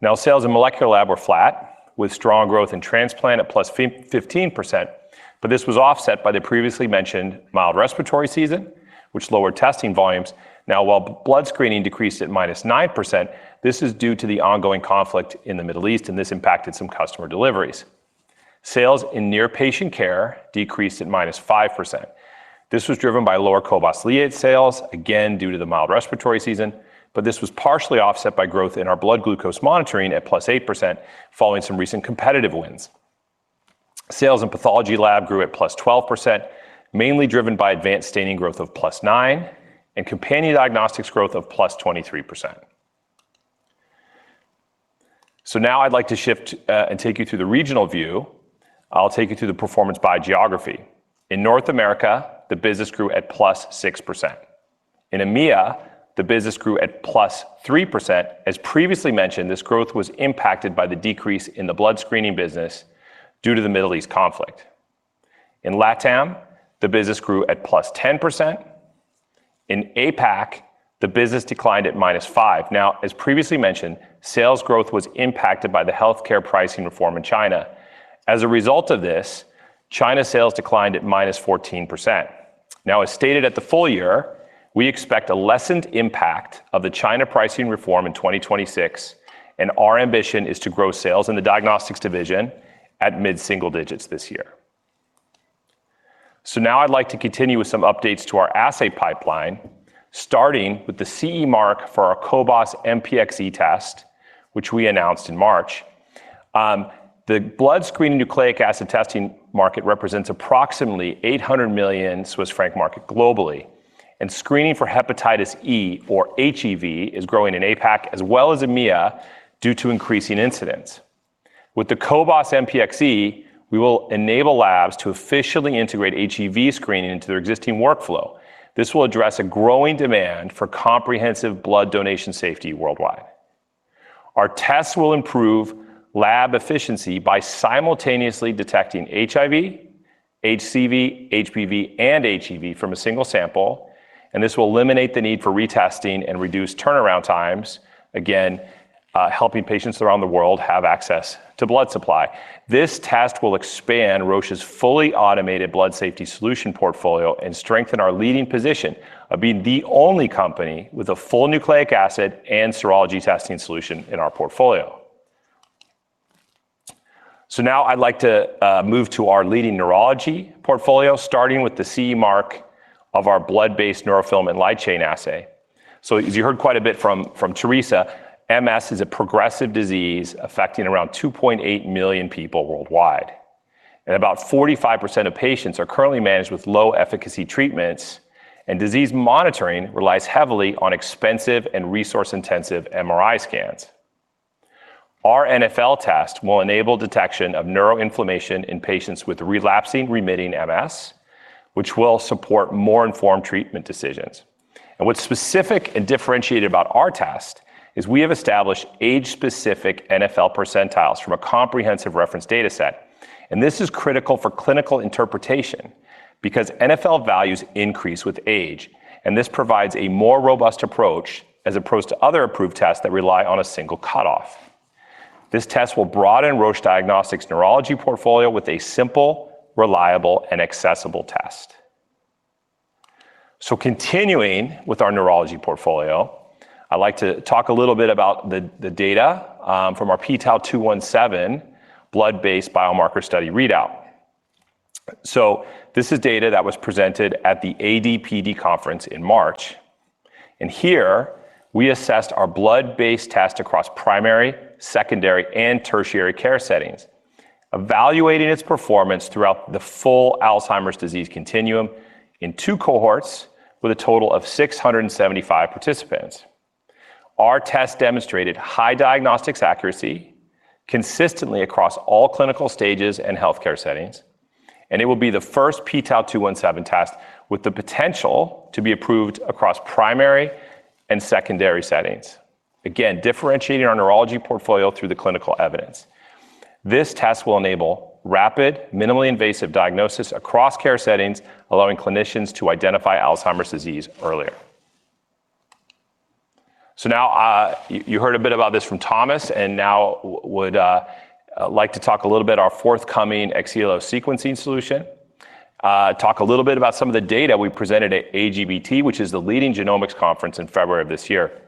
Now, sales in molecular lab were flat with strong growth in transplant at +15%, but this was offset by the previously mentioned mild respiratory season, which lowered testing volumes. Now, while blood screening decreased at -9%, this is due to the ongoing conflict in the Middle East, and this impacted some customer deliveries. Sales in near patient care decreased at -5%. This was driven by lower Cobas Liat sales, again due to the mild respiratory season, but this was partially offset by growth in our blood glucose monitoring at +8%, following some recent competitive wins. Sales in pathology lab grew at +12%, mainly driven by advanced staining growth of +9% and companion diagnostics growth of +23%. Now I'd like to shift and take you through the regional view. I'll take you through the performance by geography. In North America, the business grew at +6%. In EMEA, the business grew at +3%. As previously mentioned, this growth was impacted by the decrease in the blood screening business due to the Middle East conflict. In LATAM, the business grew at +10%. In APAC, the business declined at -5%. Now, as previously mentioned, sales growth was impacted by the healthcare pricing reform in China. As a result of this, China sales declined at -14%. Now, as stated at the full year, we expect a lessened impact of the China pricing reform in 2026, and our ambition is to grow sales in the diagnostics division at mid-single digits this year. Now I'd like to continue with some updates to our assay pipeline, starting with the CE mark for our cobas MPX test, which we announced in March. The blood screening nucleic acid testing market represents approximately 800 million Swiss franc market globally, and screening for hepatitis E, or HEV, is growing in APAC as well as EMEA due to increasing incidence. With the cobas MPX, we will enable labs to officially integrate HEV screening into their existing workflow. This will address a growing demand for comprehensive blood donation safety worldwide. Our tests will improve lab efficiency by simultaneously detecting HIV, HCV, HBV, and HEV from a single sample, and this will eliminate the need for retesting and reduce turnaround times, again, helping patients around the world have access to blood supply. This test will expand Roche's fully automated blood safety solution portfolio and strengthen our leading position of being the only company with a full nucleic acid and serology testing solution in our portfolio. Now I'd like to move to our leading neurology portfolio, starting with the CE mark of our blood-based neurofilament light chain assay. As you heard quite a bit from Teresa, MS is a progressive disease affecting around 2.8 million people worldwide. About 45% of patients are currently managed with low-efficacy treatments, and disease monitoring relies heavily on expensive and resource-intensive MRI scans. Our NfL test will enable detection of neuroinflammation in patients with relapsing remitting MS, which will support more informed treatment decisions. What's specific and differentiated about our test is we have established age-specific NfL percentiles from a comprehensive reference data set. This is critical for clinical interpretation because NfL values increase with age, and this provides a more robust approach as opposed to other approved tests that rely on a single cutoff. This test will broaden Roche Diagnostics' neurology portfolio with a simple, reliable, and accessible test. Continuing with our neurology portfolio, I'd like to talk a little bit about the data from our pTau217 blood-based biomarker study readout. This is data that was presented at the ADPD conference in March. Here, we assessed our blood-based test across primary, secondary, and tertiary care settings, evaluating its performance throughout the full Alzheimer's disease continuum in two cohorts with a total of 675 participants. Our test demonstrated high diagnostics accuracy consistently across all clinical stages and healthcare settings, and it will be the first pTau217 test with the potential to be approved across primary and secondary settings. Again, differentiating our neurology portfolio through the clinical evidence. This test will enable rapid, minimally invasive diagnosis across care settings, allowing clinicians to identify Alzheimer's disease earlier. Now, you heard a bit about this from Thomas, and now would like to talk a little bit our forthcoming Exelios sequencing solution, talk a little bit about some of the data we presented at AGBT, which is the leading genomics conference in February of this year.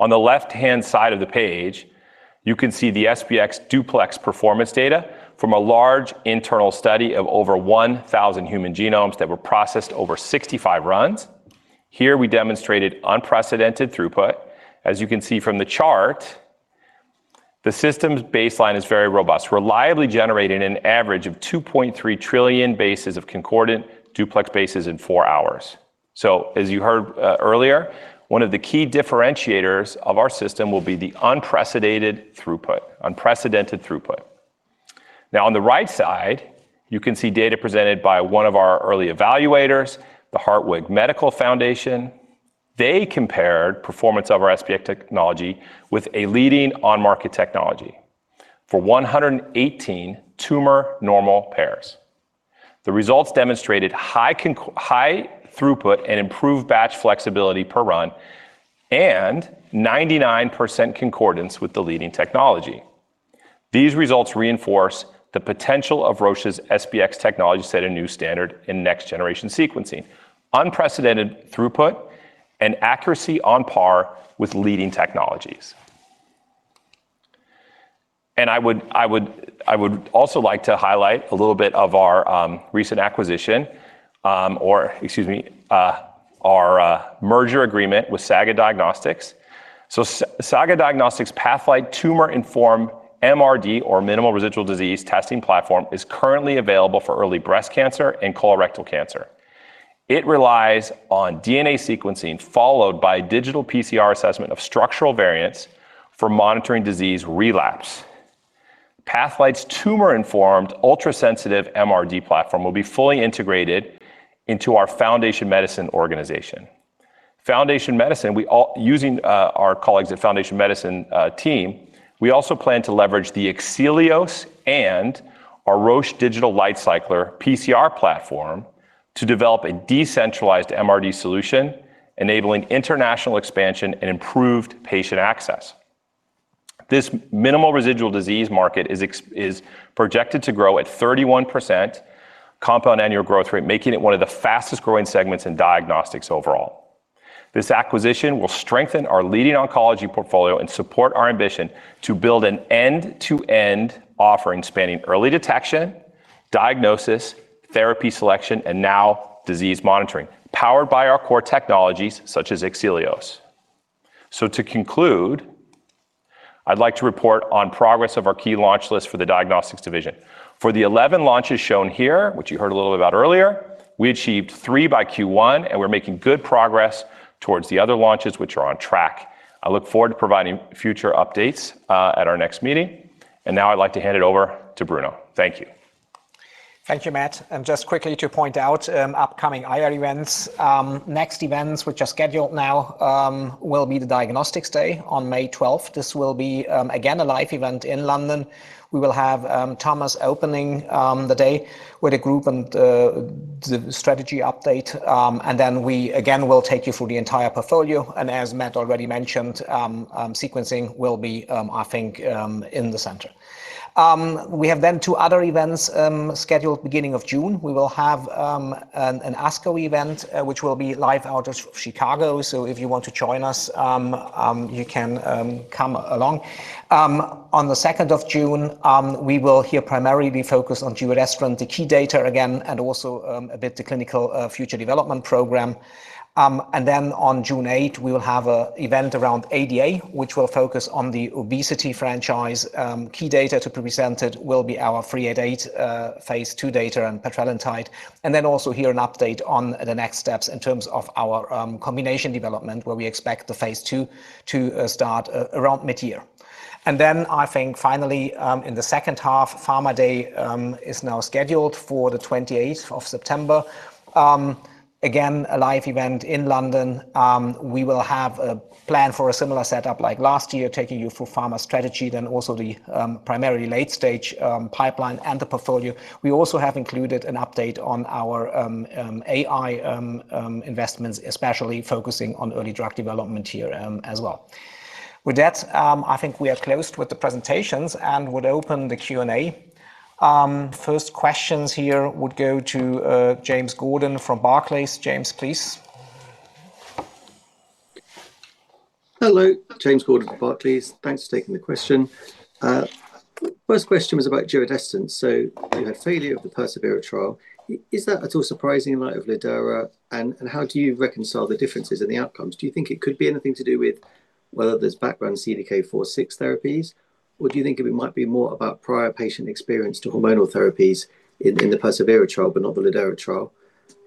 On the left-hand side of the page, you can see the SBX duplex performance data from a large internal study of over 1,000 human genomes that were processed over 65 runs. Here, we demonstrated unprecedented throughput. As you can see from the chart, the system's baseline is very robust, reliably generating an average of 2.3 trillion bases of concordant duplex bases in four hours. As you heard earlier, one of the key differentiators of our system will be the unprecedented throughput. Now, on the right side, you can see data presented by one of our early evaluators, the Hartwig Medical Foundation. They compared performance of our SBX technology with a leading on-market technology for 118 tumor normal pairs. The results demonstrated high throughput and improved batch flexibility per run and 99% concordance with the leading technology. These results reinforce the potential of Roche's SBX technology to set a new standard in next-generation sequencing, unprecedented throughput, and accuracy on par with leading technologies. I would also like to highlight a little bit of our recent acquisition, or excuse me, our merger agreement with Saga Diagnostics. Saga Diagnostics' Pathlight tumor-informed MRD, or minimal residual disease, testing platform is currently available for early breast cancer and colorectal cancer. It relies on DNA sequencing followed by digital PCR assessment of structural variants for monitoring disease relapse. Pathlight's tumor-informed ultrasensitive MRD platform will be fully integrated into our Foundation Medicine organization. Using our colleagues at Foundation Medicine team, we also plan to leverage the Exelios and our Roche Digital LightCycler PCR platform to develop a decentralized MRD solution, enabling international expansion and improved patient access. This minimal residual disease market is projected to grow at 31% compound annual growth rate, making it one of the fastest-growing segments in diagnostics overall. This acquisition will strengthen our leading oncology portfolio and support our ambition to build an end-to-end offering spanning early detection, diagnosis, therapy selection, and now disease monitoring, powered by our core technologies such as Exelios. To conclude, I'd like to report on progress of our key launch list for the diagnostics division. For the 11 launches shown here, which you heard a little bit about earlier, we achieved three by Q1, and we're making good progress towards the other launches, which are on track. I look forward to providing future updates at our next meeting. Now I'd like to hand it over to Bruno. Thank you. Thank you, Matt. Just quickly to point out upcoming IR events, next events which are scheduled now will be the Diagnostics Day on May 12th. This will be, again, a live event in London. We will have Thomas opening the day with a group and the strategy update, and then we again will take you through the entire portfolio, and as Matt already mentioned, sequencing will be, I think, in the center. We have then two other events scheduled beginning of June. We will have an ASCO event, which will be live out of Chicago, so if you want to join us, you can come along. On the 2nd of June, we will here primarily be focused on dulaglutide, the key data again, and also a bit the clinical future development program. On June 8, we will have an event around ADA, which will focus on the obesity franchise. Key data to be presented will be our 3008 phase II data on petrelintide, and then also hear an update on the next steps in terms of our combination development, where we expect the phase II to start around mid-year. I think finally, in the second half, Pharma Day is now scheduled for the 28th of September. Again, a live event in London. We will have a plan for a similar setup like last year, taking you through pharma strategy, then also the primary late-stage pipeline and the portfolio. We also have included an update on our AI investments, especially focusing on early drug development here as well. With that, I think we are closed with the presentations and would open the Q&A. First questions here would go to James Gordon from Barclays. James, please. Hello. James Gordon from Barclays. Thanks for taking the question. First question was about giredestrant. So you had failure of the persevERA trial. Is that at all surprising in light of lidERA? And how do you reconcile the differences in the outcomes? Do you think it could be anything to do with whether there's background CDK4/6 therapies, or do you think it might be more about prior patient experience to hormonal therapies in the persevERA trial but not the lidERA trial?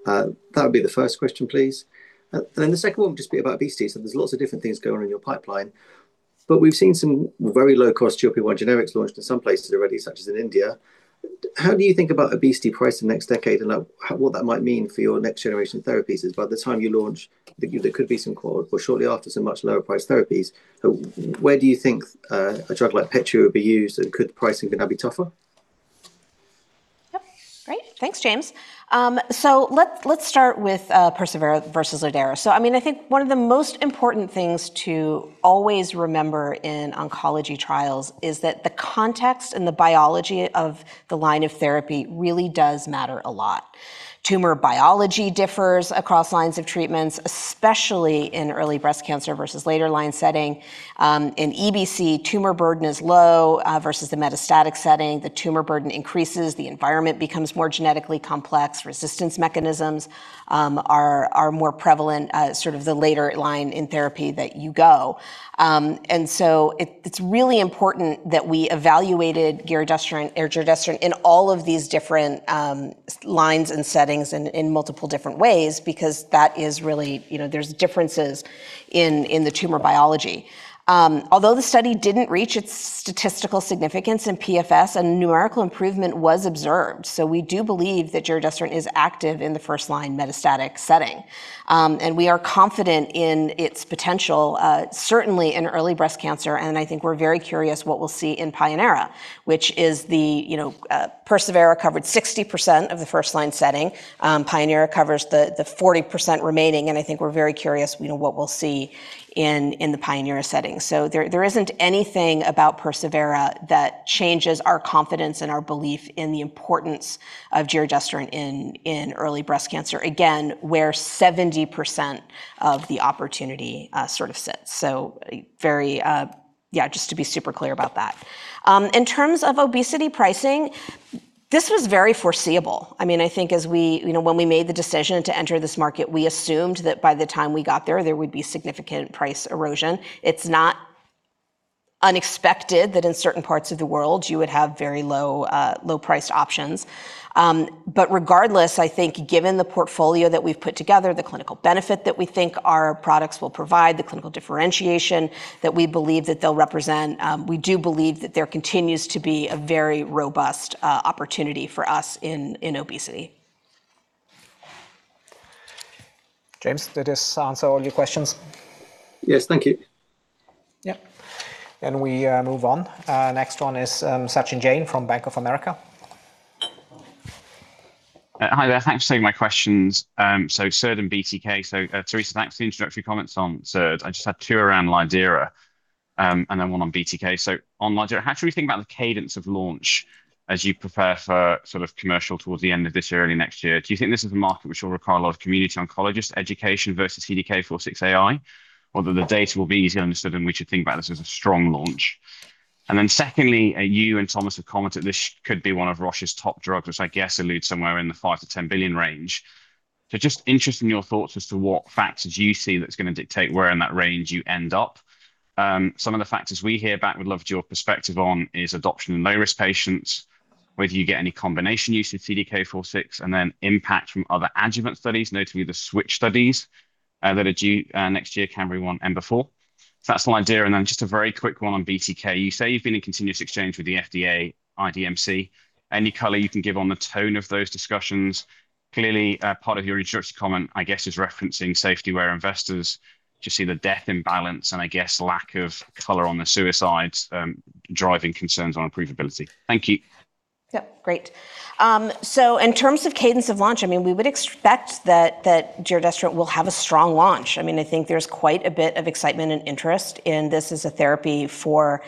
That would be the first question, please. And then the second one will just be about obesity. So there's lots of different things going on in your pipeline, but we've seen some very low-cost GLP-1 generics launched in some places already, such as in India. How do you think about obesity pricing next decade, and what that might mean for your next-generation therapies i.e., by the time you launch, there could be some, or shortly after, some much lower priced therapies. Where do you think a drug like petrelintide would be used, and could pricing then be tougher? Yep. Great. Thanks, James. Let's start with persevERA versus lidERA. I think one of the most important things to always remember in oncology trials is that the context and the biology of the line of therapy really does matter a lot. Tumor biology differs across lines of treatments, especially in early breast cancer versus later line setting. In EBC, tumor burden is low versus the metastatic setting. The tumor burden increases, the environment becomes more genetically complex, resistance mechanisms are more prevalent, sort of the later line in therapy that you go. It's really important that we evaluated giredestrant in all of these different lines and settings in multiple different ways because that is really important. There's differences in the tumor biology. Although the study didn't reach its statistical significance in PFS, a numerical improvement was observed. We do believe that giredestrant is active in the first-line metastatic setting. We are confident in its potential, certainly in early breast cancer, and I think we're very curious what we'll see in pionERA, persevERA covered 60% of the first-line setting. pionERA covers the 40% remaining, and I think we're very curious what we'll see in the pionERA setting. There isn't anything about persevERA that changes our confidence and our belief in the importance of giredestrant in early breast cancer. Again, where 70% of the opportunity sort of sits. Just to be super clear about that. In terms of obesity pricing, this was very foreseeable. I think when we made the decision to enter this market, we assumed that by the time we got there would be significant price erosion. It's not unexpected that in certain parts of the world you would have very low-priced options. Regardless, I think given the portfolio that we've put together, the clinical benefit that we think our products will provide, the clinical differentiation that we believe that they'll represent, we do believe that there continues to be a very robust opportunity for us in obesity. James, did this answer all your questions? Yes. Thank you. Yep. We move on. Next one is Sachin Jain from Bank of America. Hi there. Thanks for taking my questions. SERD and BTK, so Teresa, thanks for the introductory comments on SERD. I just had two around lidERA, and then one on BTK. On lidERA, how should we think about the cadence of launch as you prepare for sort of commercial towards the end of this year, early next year? Do you think this is a market which will require a lot of community oncologist education versus CDK4/6 AI? Although the data will be easily understood, and we should think about this as a strong launch. Then secondly, you and Thomas have commented this could be one of Roche's top drugs, which I guess alludes somewhere in the $5 billion-$10 billion range. Just interested in your thoughts as to what factors you see that's going to dictate where in that range you end up. Some of the factors we hear back we'd love your perspective on is adoption in low-risk patients, whether you get any combination use with CDK4/6, and then impact from other adjuvant studies, notably the switch studies that are due next year, CAMBRI1 and BEACON. That's on lidERA, and then just a very quick one on BTK. You say you've been in continuous exchange with the FDA, IDMC. Any color you can give on the tone of those discussions? Clearly, part of your introductory comment, I guess, is referencing safety where investors just see the death imbalance and I guess lack of color on the suicides driving concerns on approvability. Thank you. Great. In terms of cadence of launch, we would expect that giredestrant will have a strong launch. I think there's quite a bit of excitement and interest in this as a therapy for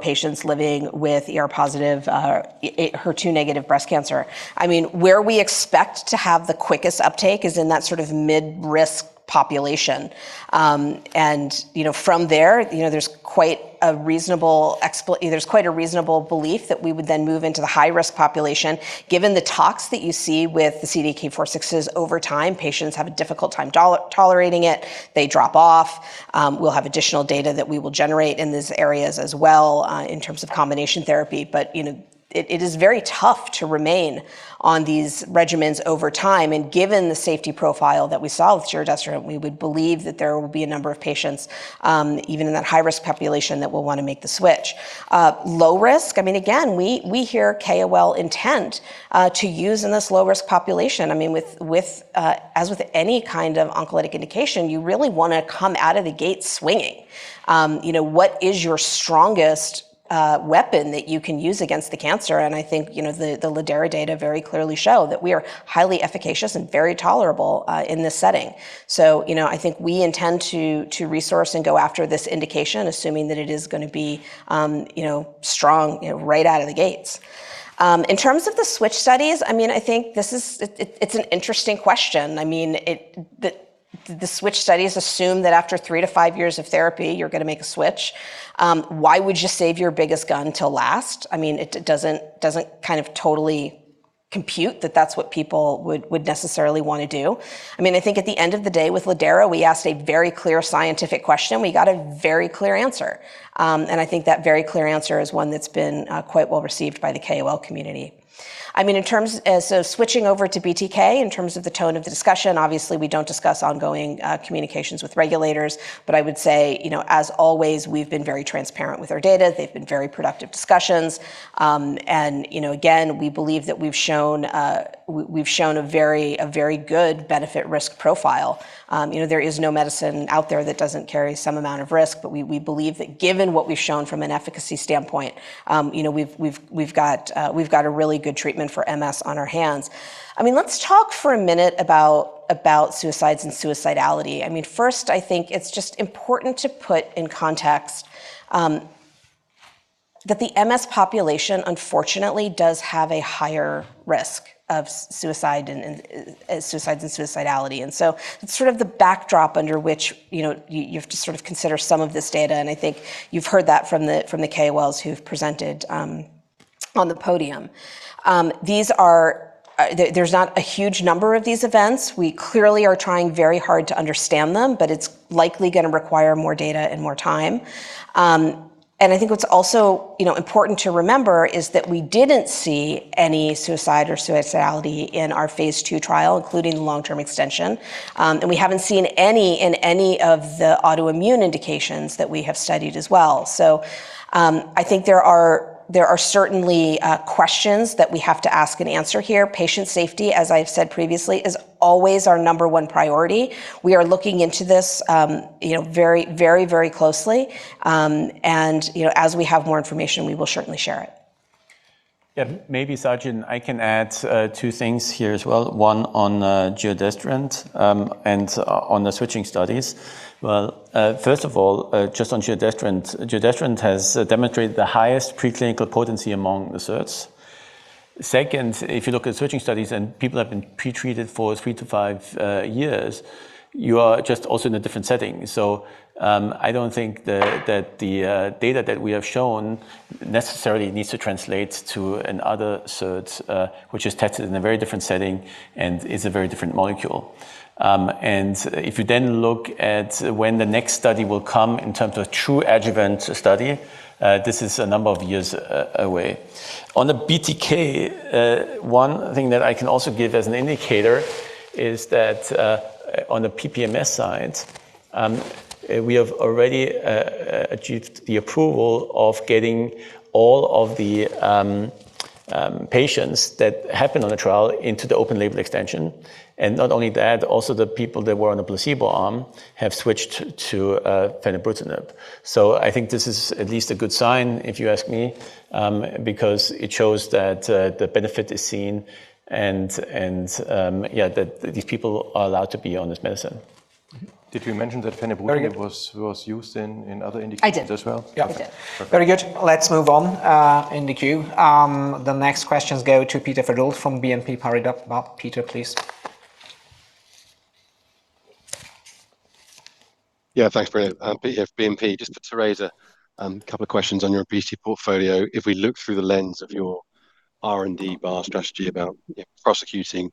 patients living with ER-positive, HER2-negative breast cancer. Where we expect to have the quickest uptake is in that sort of mid-risk population. From there's quite a reasonable belief that we would then move into the high-risk population. Given the talks that you see with the CDK4/6s over time, patients have a difficult time tolerating it. They drop off. We'll have additional data that we will generate in these areas as well in terms of combination therapy. It is very tough to remain on these regimens over time, and given the safety profile that we saw with giredestrant, we would believe that there will be a number of patients, even in that high-risk population, that will want to make the switch. Low risk, again, we hear KOL intent to use in this low-risk population. As with any kind of oncologic indication, you really want to come out of the gate swinging. What is your strongest weapon that you can use against the cancer? I think the lidERA data very clearly show that we are highly efficacious and very tolerable in this setting. I think we intend to resource and go after this indication, assuming that it is going to be strong right out of the gates. In terms of the switch studies, I think it's an interesting question. I mean, the switch studies assume that after 3-5 years of therapy, you're going to make a switch. Why would you save your biggest gun till last? It doesn't totally compute that that's what people would necessarily want to do. I think at the end of the day with lidERA, we asked a very clear scientific question. We got a very clear answer. I think that very clear answer is one that's been quite well-received by the KOL community. In terms of switching over to BTK, in terms of the tone of the discussion, obviously we don't discuss ongoing communications with regulators. I would say, as always, we've been very transparent with our data. They've been very productive discussions. Again, we believe that we've shown a very good benefit risk profile. There is no medicine out there that doesn't carry some amount of risk. We believe that given what we've shown from an efficacy standpoint, we've got a really good treatment for MS on our hands. Let's talk for a minute about suicides and suicidality. First, I think it's just important to put in context that the MS population unfortunately does have a higher risk of suicide and suicidality. It's sort of the backdrop under which you have to sort of consider some of this data, and I think you've heard that from the KOLs who've presented on the podium. There's not a huge number of these events. We clearly are trying very hard to understand them, but it's likely going to require more data and more time. I think what's also important to remember is that we didn't see any suicide or suicidality in our phase II trial, including the long-term extension. We haven't seen any in any of the autoimmune indications that we have studied as well. I think there are certainly questions that we have to ask and answer here. Patient safety, as I've said previously, is always our number one priority. We are looking into this very, very closely, and as we have more information, we will certainly share it. Yeah. Maybe, Sachin, I can add two things here as well, one on giredestrant, and on the switching studies. Well, first of all, just on giredestrant. Giredestrant has demonstrated the highest preclinical potency among the SERDs. Second, if you look at switching studies and people have been pretreated for 3-5 years, you are just also in a different setting. I don't think that the data that we have shown necessarily needs to translate to another SERDs, which is tested in a very different setting and is a very different molecule. If you then look at when the next study will come in terms of true adjuvant study, this is a number of years away. On the BTK, one thing that I can also give as an indicator is that, on the PPMS side, we have already achieved the approval of getting all of the patients that have been on the trial into the open label extension. Not only that, also the people that were on the placebo arm have switched to fenebrutinib. I think this is at least a good sign if you ask me, because it shows that the benefit is seen and, yeah, that these people are allowed to be on this medicine. Did you mention that fenebrutinib was used in other indications as well? I did. Yeah. I did. Perfect. Very good. Let's move on in the queue. The next questions go to Peter Verdult from BNP Paribas. Peter, please. Yeah. Thanks, Bruno. Peter Verdult, BNP Paribas. Just to raise a couple of questions on your obesity portfolio. If we look through the lens of your R&D bar strategy about prosecuting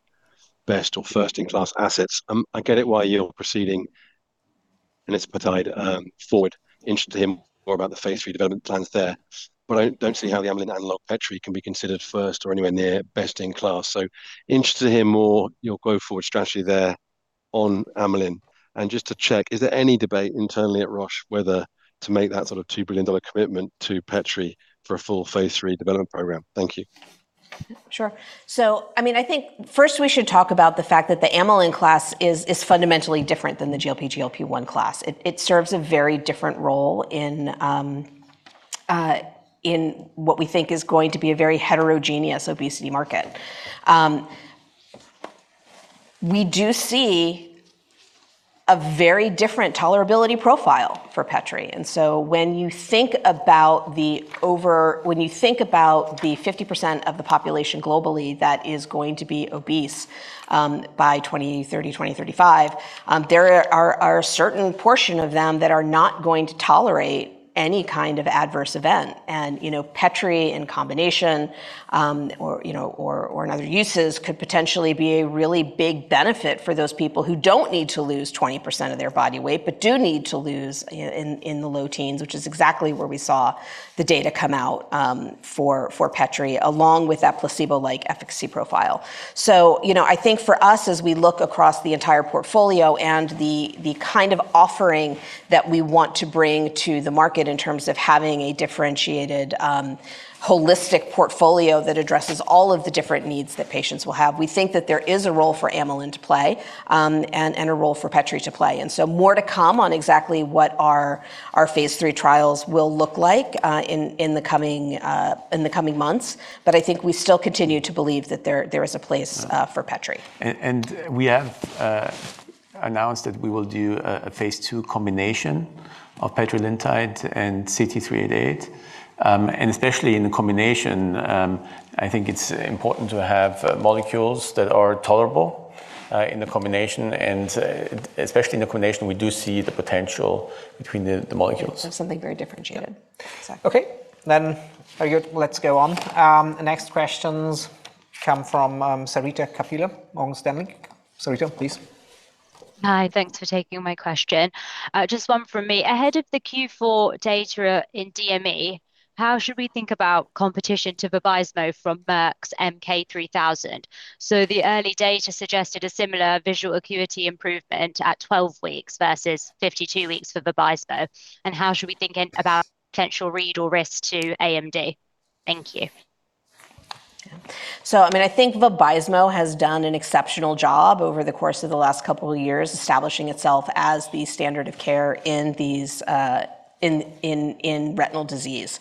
best or first-in-class assets, I get it why you're proceeding carmotide forward. Interested to hear more about the phase III development plans there. I don't see how the amylin analog petrelintide can be considered first or anywhere near best in class. Interested to hear more on your go-forward strategy there on amylin. Just to check, is there any debate internally at Roche whether to make that sort of $2 billion commitment to petrelintide for a full phase III development program? Thank you. Sure. I think first we should talk about the fact that the amylin class is fundamentally different than the GLP-1 class. It serves a very different role in what we think is going to be a very heterogeneous obesity market. We do see a very different tolerability profile for petrelintide. When you think about the 50% of the population globally that is going to be obese by 2030, 2035, there are a certain portion of them that are not going to tolerate any kind of adverse event. Petrelintide in combination, or in other uses, could potentially be a really big benefit for those people who don't need to lose 20% of their body weight, but do need to lose in the low teens, which is exactly where we saw the data come out for petrelintide, along with that placebo-like efficacy profile. I think for us, as we look across the entire portfolio and the kind of offering that we want to bring to the market in terms of having a differentiated, holistic portfolio that addresses all of the different needs that patients will have, we think that there is a role for amylin to play, and a role for petrelintide to play. More to come on exactly what our phase III trials will look like in the coming months. I think we still continue to believe that there is a place for petrelintide. We have announced that we will do a phase II combination of petrelintide and CT-388. Especially in the combination, I think it's important to have molecules that are tolerable in the combination, and we do see the potential between the molecules. Something very differentiated. Yep. Exactly. Okay. Very good. Let's go on. The next questions come from Sarita Kapila, Morgan Stanley. Sarita, please. Hi, thanks for taking my question. Just one from me. Ahead of the Q4 data in DME, how should we think about competition to Vabysmo from Merck's MK-3000? The early data suggested a similar visual acuity improvement at 12 weeks versus 52 weeks for Vabysmo. How should we be thinking about potential read or risk to AMD? Thank you. I think Vabysmo has done an exceptional job over the course of the last couple of years, establishing itself as the standard of care in retinal disease.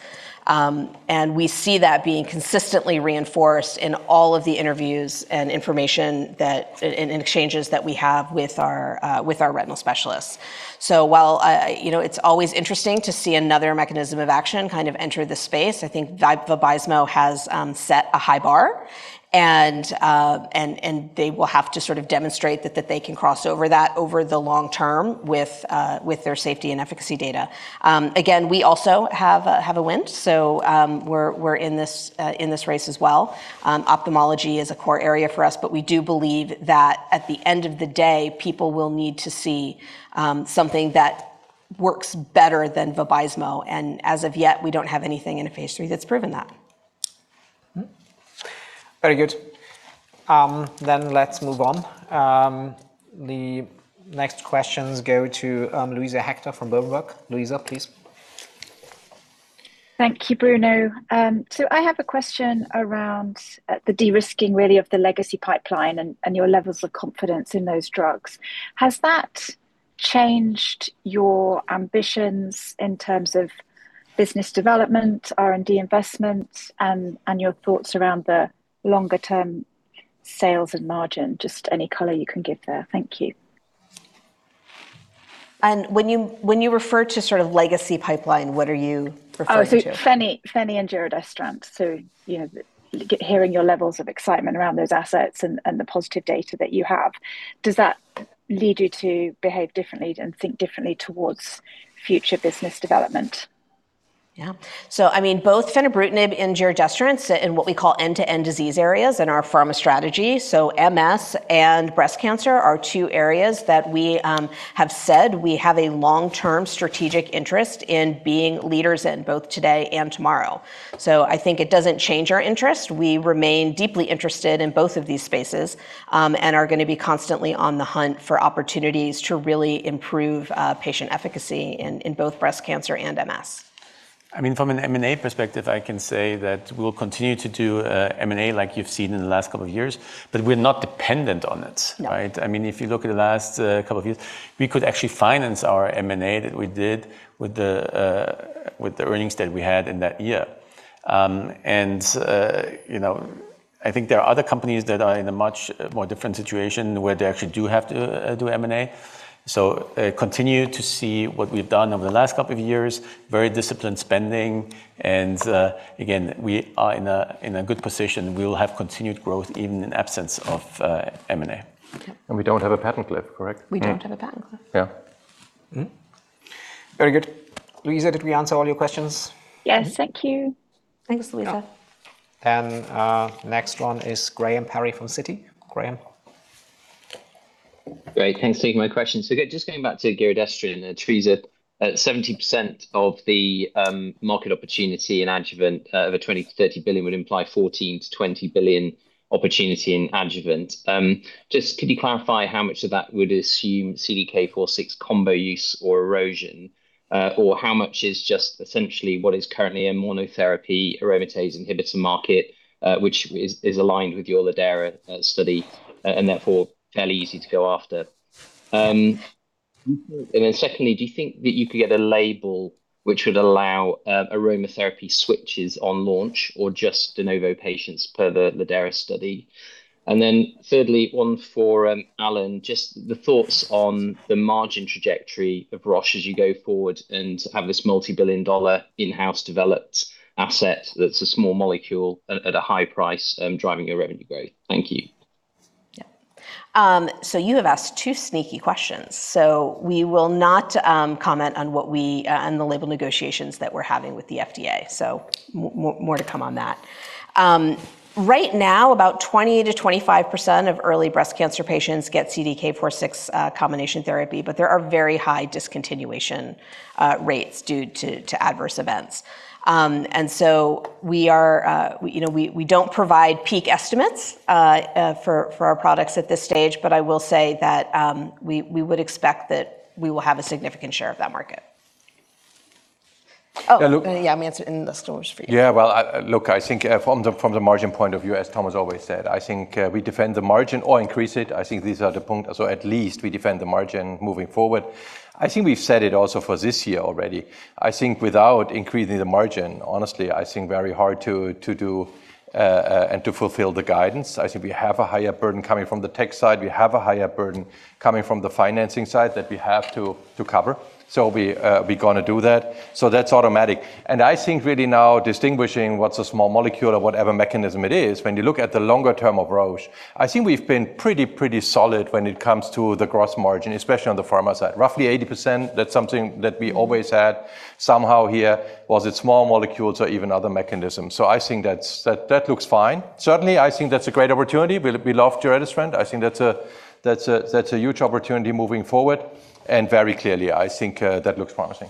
We see that being consistently reinforced in all of the interviews and information and exchanges that we have with our retinal specialists. While it's always interesting to see another mechanism of action kind of enter the space, I think that Vabysmo has set a high bar and they will have to sort of demonstrate that they can cross over that over the long term with their safety and efficacy data. Again, we also have a wind, so we're in this race as well. Ophthalmology is a core area for us, but we do believe that at the end of the day, people will need to see something that works better than Vabysmo, and as of yet, we don't have anything in phase III that's proven that. Very good. Let's move on. The next questions go to Luisa Hector from Berenberg. Luisa, please. Thank you, Bruno. I have a question around the de-risking, really of the legacy pipeline and your levels of confidence in those drugs. Has that changed your ambitions in terms of business development, R&D investments, and your thoughts around the longer-term sales and margin? Just any color you can give there. Thank you. When you refer to sort of legacy pipeline, what are you referring to? Oh, fenebrutinib and giredestrant. Hearing your levels of excitement around those assets and the positive data that you have, does that lead you to behave differently and think differently towards future business development? Yeah. I mean, both fenebrutinib and giredestrant sit in what we call end-to-end disease areas in our pharma strategy. MS and breast cancer are two areas that we have said we have a long-term strategic interest in being leaders in both today and tomorrow. I think it doesn't change our interest. We remain deeply interested in both of these spaces, and are going to be constantly on the hunt for opportunities to really improve patient efficacy in both breast cancer and MS. From an M&A perspective, I can say that we'll continue to do M&A like you've seen in the last couple of years, but we're not dependent on it, right? No. If you look at the last couple of years, we could actually finance our M&A that we did with the earnings that we had in that year. I think there are other companies that are in a much more different situation where they actually do have to do M&A. Continue to see what we've done over the last couple of years, very disciplined spending, and, again, we are in a good position. We'll have continued growth even in absence of M&A. Okay. We don't have a patent cliff, correct? We don't have a patent cliff. Yeah. Mm-hmm. Very good. Luisa, did we answer all your questions? Yes. Thank you. Thanks, Luisa. Next one is Graham Parry from Citi. Graham. Great. Thanks for taking my question. Just going back to giredestrant, Teresa, 70% of the market opportunity in adjuvant of a $20 billion-$30 billion would imply $14 billion-$20 billion opportunity in adjuvant. Just could you clarify how much of that would assume CDK4/6 combo use or erosion? Or how much is just essentially what is currently a monotherapy aromatase inhibitor market, which is aligned with your lidERA study, and therefore fairly easy to go after. Then secondly, do you think that you could get a label which would allow aromatase switches on launch or just de novo patients per the lidERA study? Then thirdly, one for Alan, just the thoughts on the margin trajectory of Roche as you go forward and have this multi-billion dollar in-house developed asset that's a small molecule at a high price, driving your revenue growth. Thank you. Yeah. You have asked two sneaky questions. We will not comment on the label negotiations that we're having with the FDA. More to come on that. Right now, about 20%-25% of early breast cancer patients get CDK4/6 combination therapy, but there are very high discontinuation rates due to adverse events. We don't provide peak estimates for our products at this stage. I will say that we would expect that we will have a significant share of that market. Oh, yeah. Let me answer in the stores for you. Yeah. Well, look, I think from the margin point of view, as Thomas always said, I think we defend the margin or increase it. I think these are the point. At least we defend the margin moving forward. I think we've said it also for this year already. I think without increasing the margin, honestly, I think very hard to do and to fulfill the guidance. I think we have a higher burden coming from the tech side. We have a higher burden coming from the financing side that we have to cover. We're going to do that. That's automatic. I think really now distinguishing what's a small molecule or whatever mechanism it is, when you look at the longer term of Roche, I think we've been pretty solid when it comes to the gross margin, especially on the pharma side. Roughly 80%. That's something that we always had somehow here. Was it small molecules or even other mechanisms? I think that looks fine. Certainly, I think that's a great opportunity. We love it. I think that's a huge opportunity moving forward. Very clearly, I think that looks promising.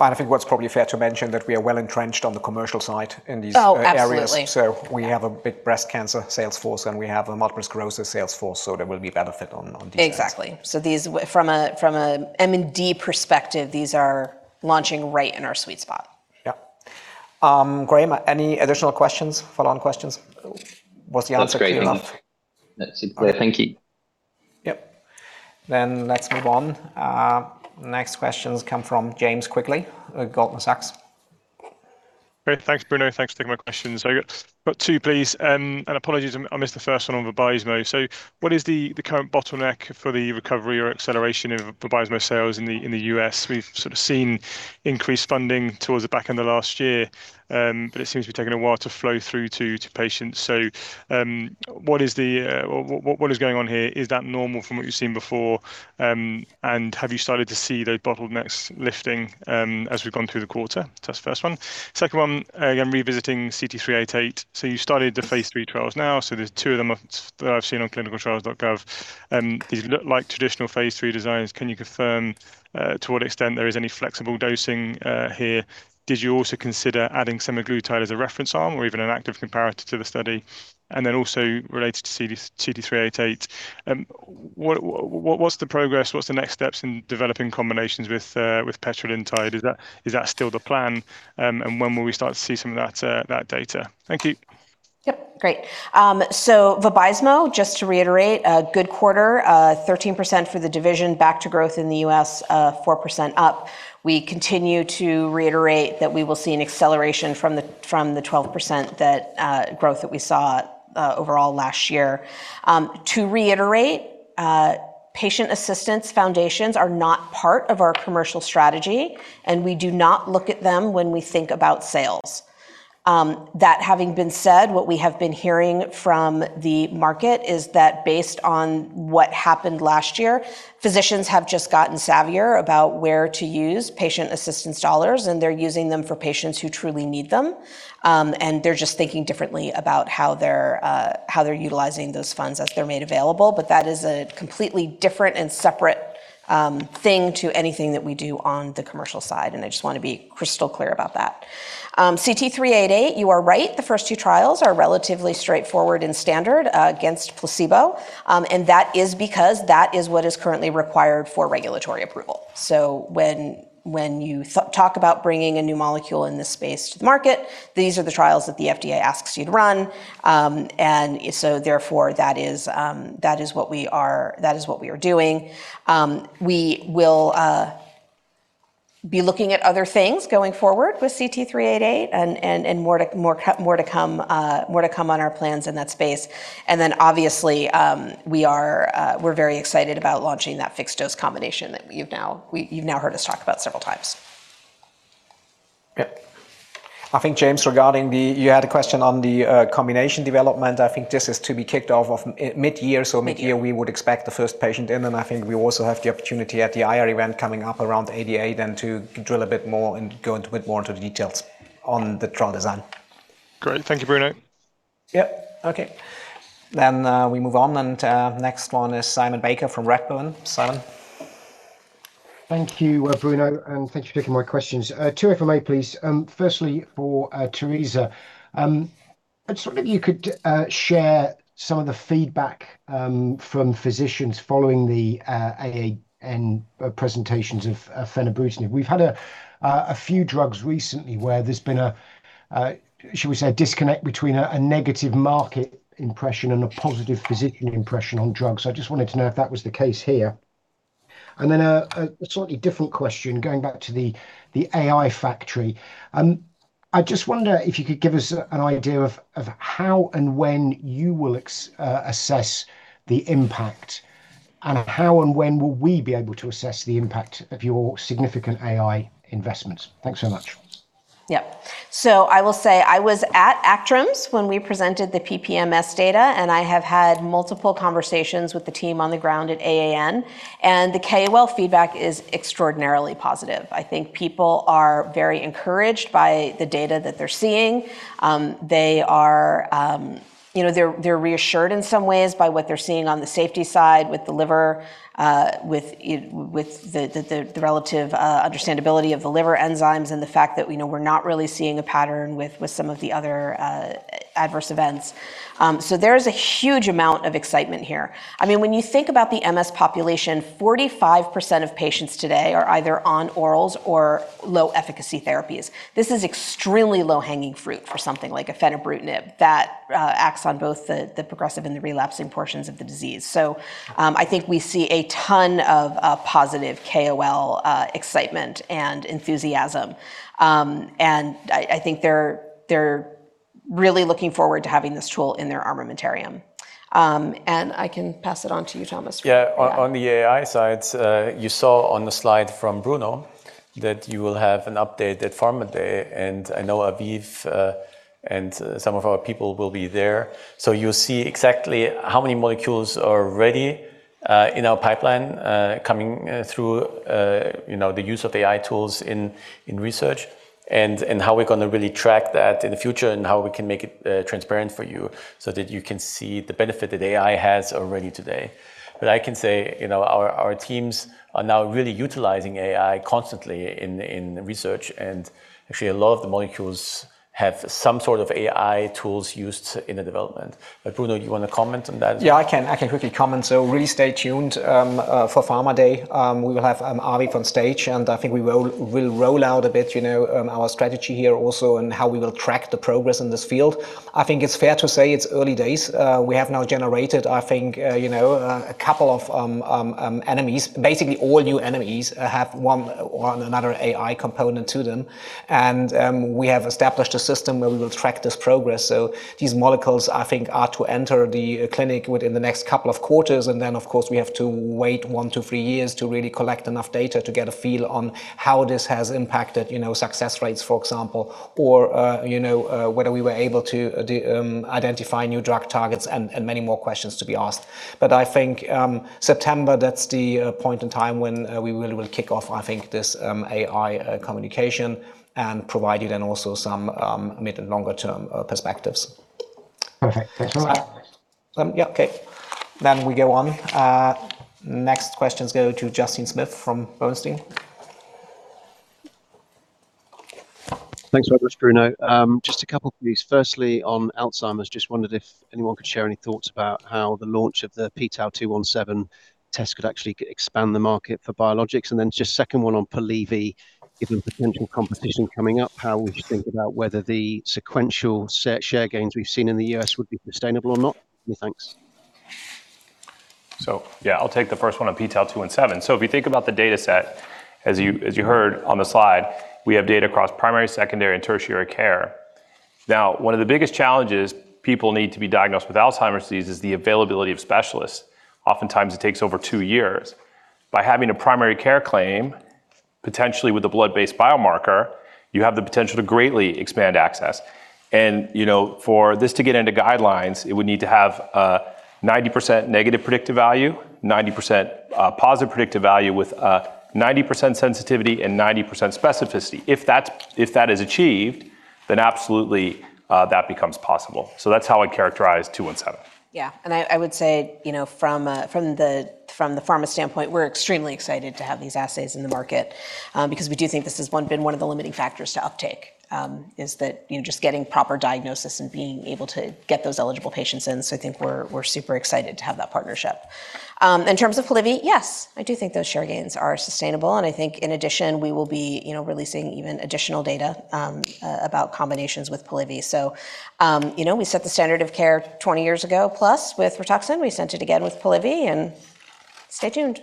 I think what's probably fair to mention that we are well-entrenched on the commercial side in these areas. Oh, absolutely. We have a big breast cancer sales force, and we have a multiple sclerosis sales force. There will be benefit on these. Exactly. These from a S&M perspective, these are launching right in our sweet spot. Yep. Graham, any additional questions, follow-on questions? Was the answer clear enough? That's great. That's it. Thank you. Yep. Let's move on. Next questions come from James Quigley at Goldman Sachs. Great. Thanks, Bruno. Thanks for taking my questions. I got two, please. Apologies I missed the first one on Vabysmo. What is the current bottleneck for the recovery or acceleration of Vabysmo sales in the U.S.? We've sort of seen increased funding towards the back end of last year, but it seems to be taking a while to flow through to patients. What is going on here? Is that normal from what you've seen before? Have you started to see those bottlenecks lifting as we've gone through the quarter? That's the first one. Second one, again, revisiting CT-388. You started the phase III trials now, so there's two of them that I've seen on clinicaltrials.gov. These look like traditional phase III designs. Can you confirm to what extent there is any flexible dosing here? Did you also consider adding semaglutide as a reference arm or even an active comparator to the study? Related to CT-388, what's the progress? What's the next steps in developing combinations with pegloticade? Is that still the plan? When will we start to see some of that data? Thank you. Yep. Great. So Vabysmo, just to reiterate, a good quarter, 13% for the division back to growth in the U.S., 4% up. We continue to reiterate that we will see an acceleration from the 12% growth that we saw overall last year. To reiterate, patient assistance foundations are not part of our commercial strategy, and we do not look at them when we think about sales. That having been said, what we have been hearing from the market is that based on what happened last year, physicians have just gotten savvier about where to use patient assistance dollars, and they're using them for patients who truly need them. They're just thinking differently about how they're utilizing those funds as they're made available. That is a completely different and separate thing to anything that we do on the commercial side, and I just want to be crystal clear about that. CT-388, you are right. The first two trials are relatively straightforward and standard against placebo, and that is because that is what is currently required for regulatory approval. When you talk about bringing a new molecule in this space to the market, these are the trials that the FDA asks you to run. Therefore that is what we are doing. We will be looking at other things going forward with CT-388 and more to come on our plans in that space. Obviously, we're very excited about launching that fixed dose combination that you've now heard us talk about several times. Yep. I think, James, regarding the. You had a question on the combination development. I think this is to be kicked off mid-year. Mid-year we would expect the first patient in, and I think we also have the opportunity at the IR event coming up around ADA then to drill a bit more and go into a bit more into the details on the trial design. Great. Thank you, Bruno. Yep. Okay. We move on, and next one is Simon Baker from Redburn. Simon. Thank you, Bruno, and thanks for taking my questions. Two if I may, please. Firstly, for Teresa, I just wonder if you could share some of the feedback from physicians following the AAN presentations of fenebrutinib. We've had a few drugs recently where there's been a, should we say, disconnect between a negative market impression and a positive physician impression on drugs. I just wanted to know if that was the case here. a slightly different question, going back to the AI factory. I just wonder if you could give us an idea of how and when you will assess the impact, and how and when will we be able to assess the impact of your significant AI investments. Thanks so much. Yep. I will say, I was at ACTRIMS when we presented the PPMS data, and I have had multiple conversations with the team on the ground at AAN. The KOL feedback is extraordinarily positive. I think people are very encouraged by the data that they're seeing. They're reassured in some ways by what they're seeing on the safety side with the liver, with the relative understandability of the liver enzymes, and the fact that we know we're not really seeing a pattern with some of the other adverse events. There is a huge amount of excitement here. When you think about the MS population, 45% of patients today are either on orals or low-efficacy therapies. This is extremely low-hanging fruit for something like fenebrutinib that acts on both the progressive and the relapsing portions of the disease. I think we see a ton of positive KOL excitement and enthusiasm. I think they're really looking forward to having this tool in their armamentarium. I can pass it on to you, Thomas. Yeah. On the AI side, you saw on the slide from Bruno that you will have an update at Pharma Day, and I know Aviv and some of our people will be there. You'll see exactly how many molecules are ready in our pipeline coming through the use of AI tools in research and how we're going to really track that in the future and how we can make it transparent for you so that you can see the benefit that AI has already today. I can say our teams are now really utilizing AI constantly in research, and actually a lot of the molecules have some sort of AI tools used in the development. Bruno, you want to comment on that? Yeah, I can quickly comment. Really stay tuned for Pharma Day. We will have Aviv on stage, and I think we will roll out a bit our strategy here also and how we will track the progress in this field. I think it's fair to say it's early days. We have now generated, I think, a couple of NMEs. Basically, all new NMEs have one or another AI component to them. We have established a system where we will track this progress. These molecules, I think, are to enter the clinic within the next couple of quarters. Then, of course, we have to wait 1-3 years to really collect enough data to get a feel on how this has impacted success rates, for example, or whether we were able to identify new drug targets and many more questions to be asked. I think September, that's the point in time when we really will kick off, I think, this AI communication and provide you then also some mid- and longer-term perspectives. Perfect. Thanks so much. Yeah. Okay. We go on. Next questions go to Justin Smith from Bernstein. Thanks very much, Bruno. Just a couple of things. Firstly, on Alzheimer's, just wondered if anyone could share any thoughts about how the launch of the pTau217 test could actually expand the market for biologics. Just second one on Polivy, given the potential competition coming up, how would you think about whether the sequential share gains we've seen in the U.S. would be sustainable or not? Many thanks. Yeah, I'll take the first one on pTau217. If you think about the dataset, as you heard on the slide, we have data across primary, secondary, and tertiary care. Now, one of the biggest challenges people need to be diagnosed with Alzheimer's disease is the availability of specialists. Oftentimes, it takes over two years. By having a primary care claim, potentially with a blood-based biomarker, you have the potential to greatly expand access. And for this to get into guidelines, it would need to have a 90% negative predictive value, 90% positive predictive value with 90% sensitivity and 90% specificity. If that is achieved, then absolutely, that becomes possible. That's how I'd characterize pTau217. Yeah. I would say from the pharma standpoint, we're extremely excited to have these assays in the market, because we do think this has been one of the limiting factors to uptake, is that you're just getting proper diagnosis and being able to get those eligible patients in. I think we're super excited to have that partnership. In terms of Polivy, yes. I do think those share gains are sustainable, and I think in addition, we will be releasing even additional data about combinations with Polivy. We set the standard of care 20 years ago plus with Rituxan. We set it again with Polivy and stay tuned.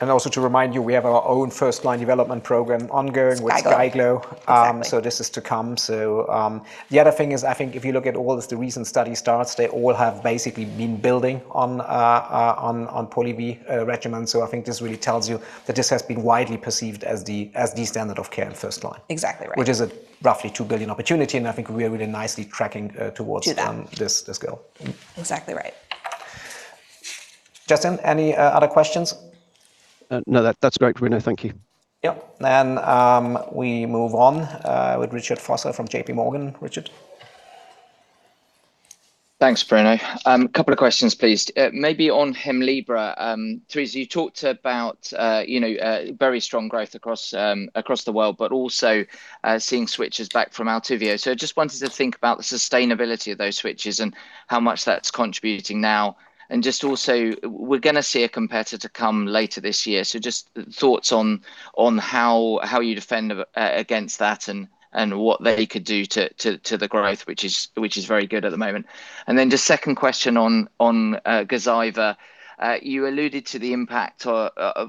Yeah. Also to remind you, we have our own first-line development program ongoing with STARGLO. STARGLO. Exactly. This is to come. The other thing is, I think if you look at all the recent study starts, they all have basically been building on Polivy regimen. I think this really tells you that this has been widely perceived as the standard of care and first line. Exactly right. Which is a roughly 2 billion opportunity, and I think we are really nicely tracking towards this goal. Exactly right. Justin, any other questions? No, that's great, Bruno. Thank you. Yep. We move on with Richard Vosser from JPMorgan. Richard. Thanks, Bruno. Couple of questions, please. Maybe on Hemlibra. Teresa, you talked about very strong growth across the world, but also seeing switches back from ALTUVIIIO. Just wanted to think about the sustainability of those switches and how much that's contributing now. Just also, we're going to see a competitor come later this year. Just thoughts on how you defend against that and what they could do to the growth, which is very good at the moment. Then just second question on Gazyva. You alluded to the impact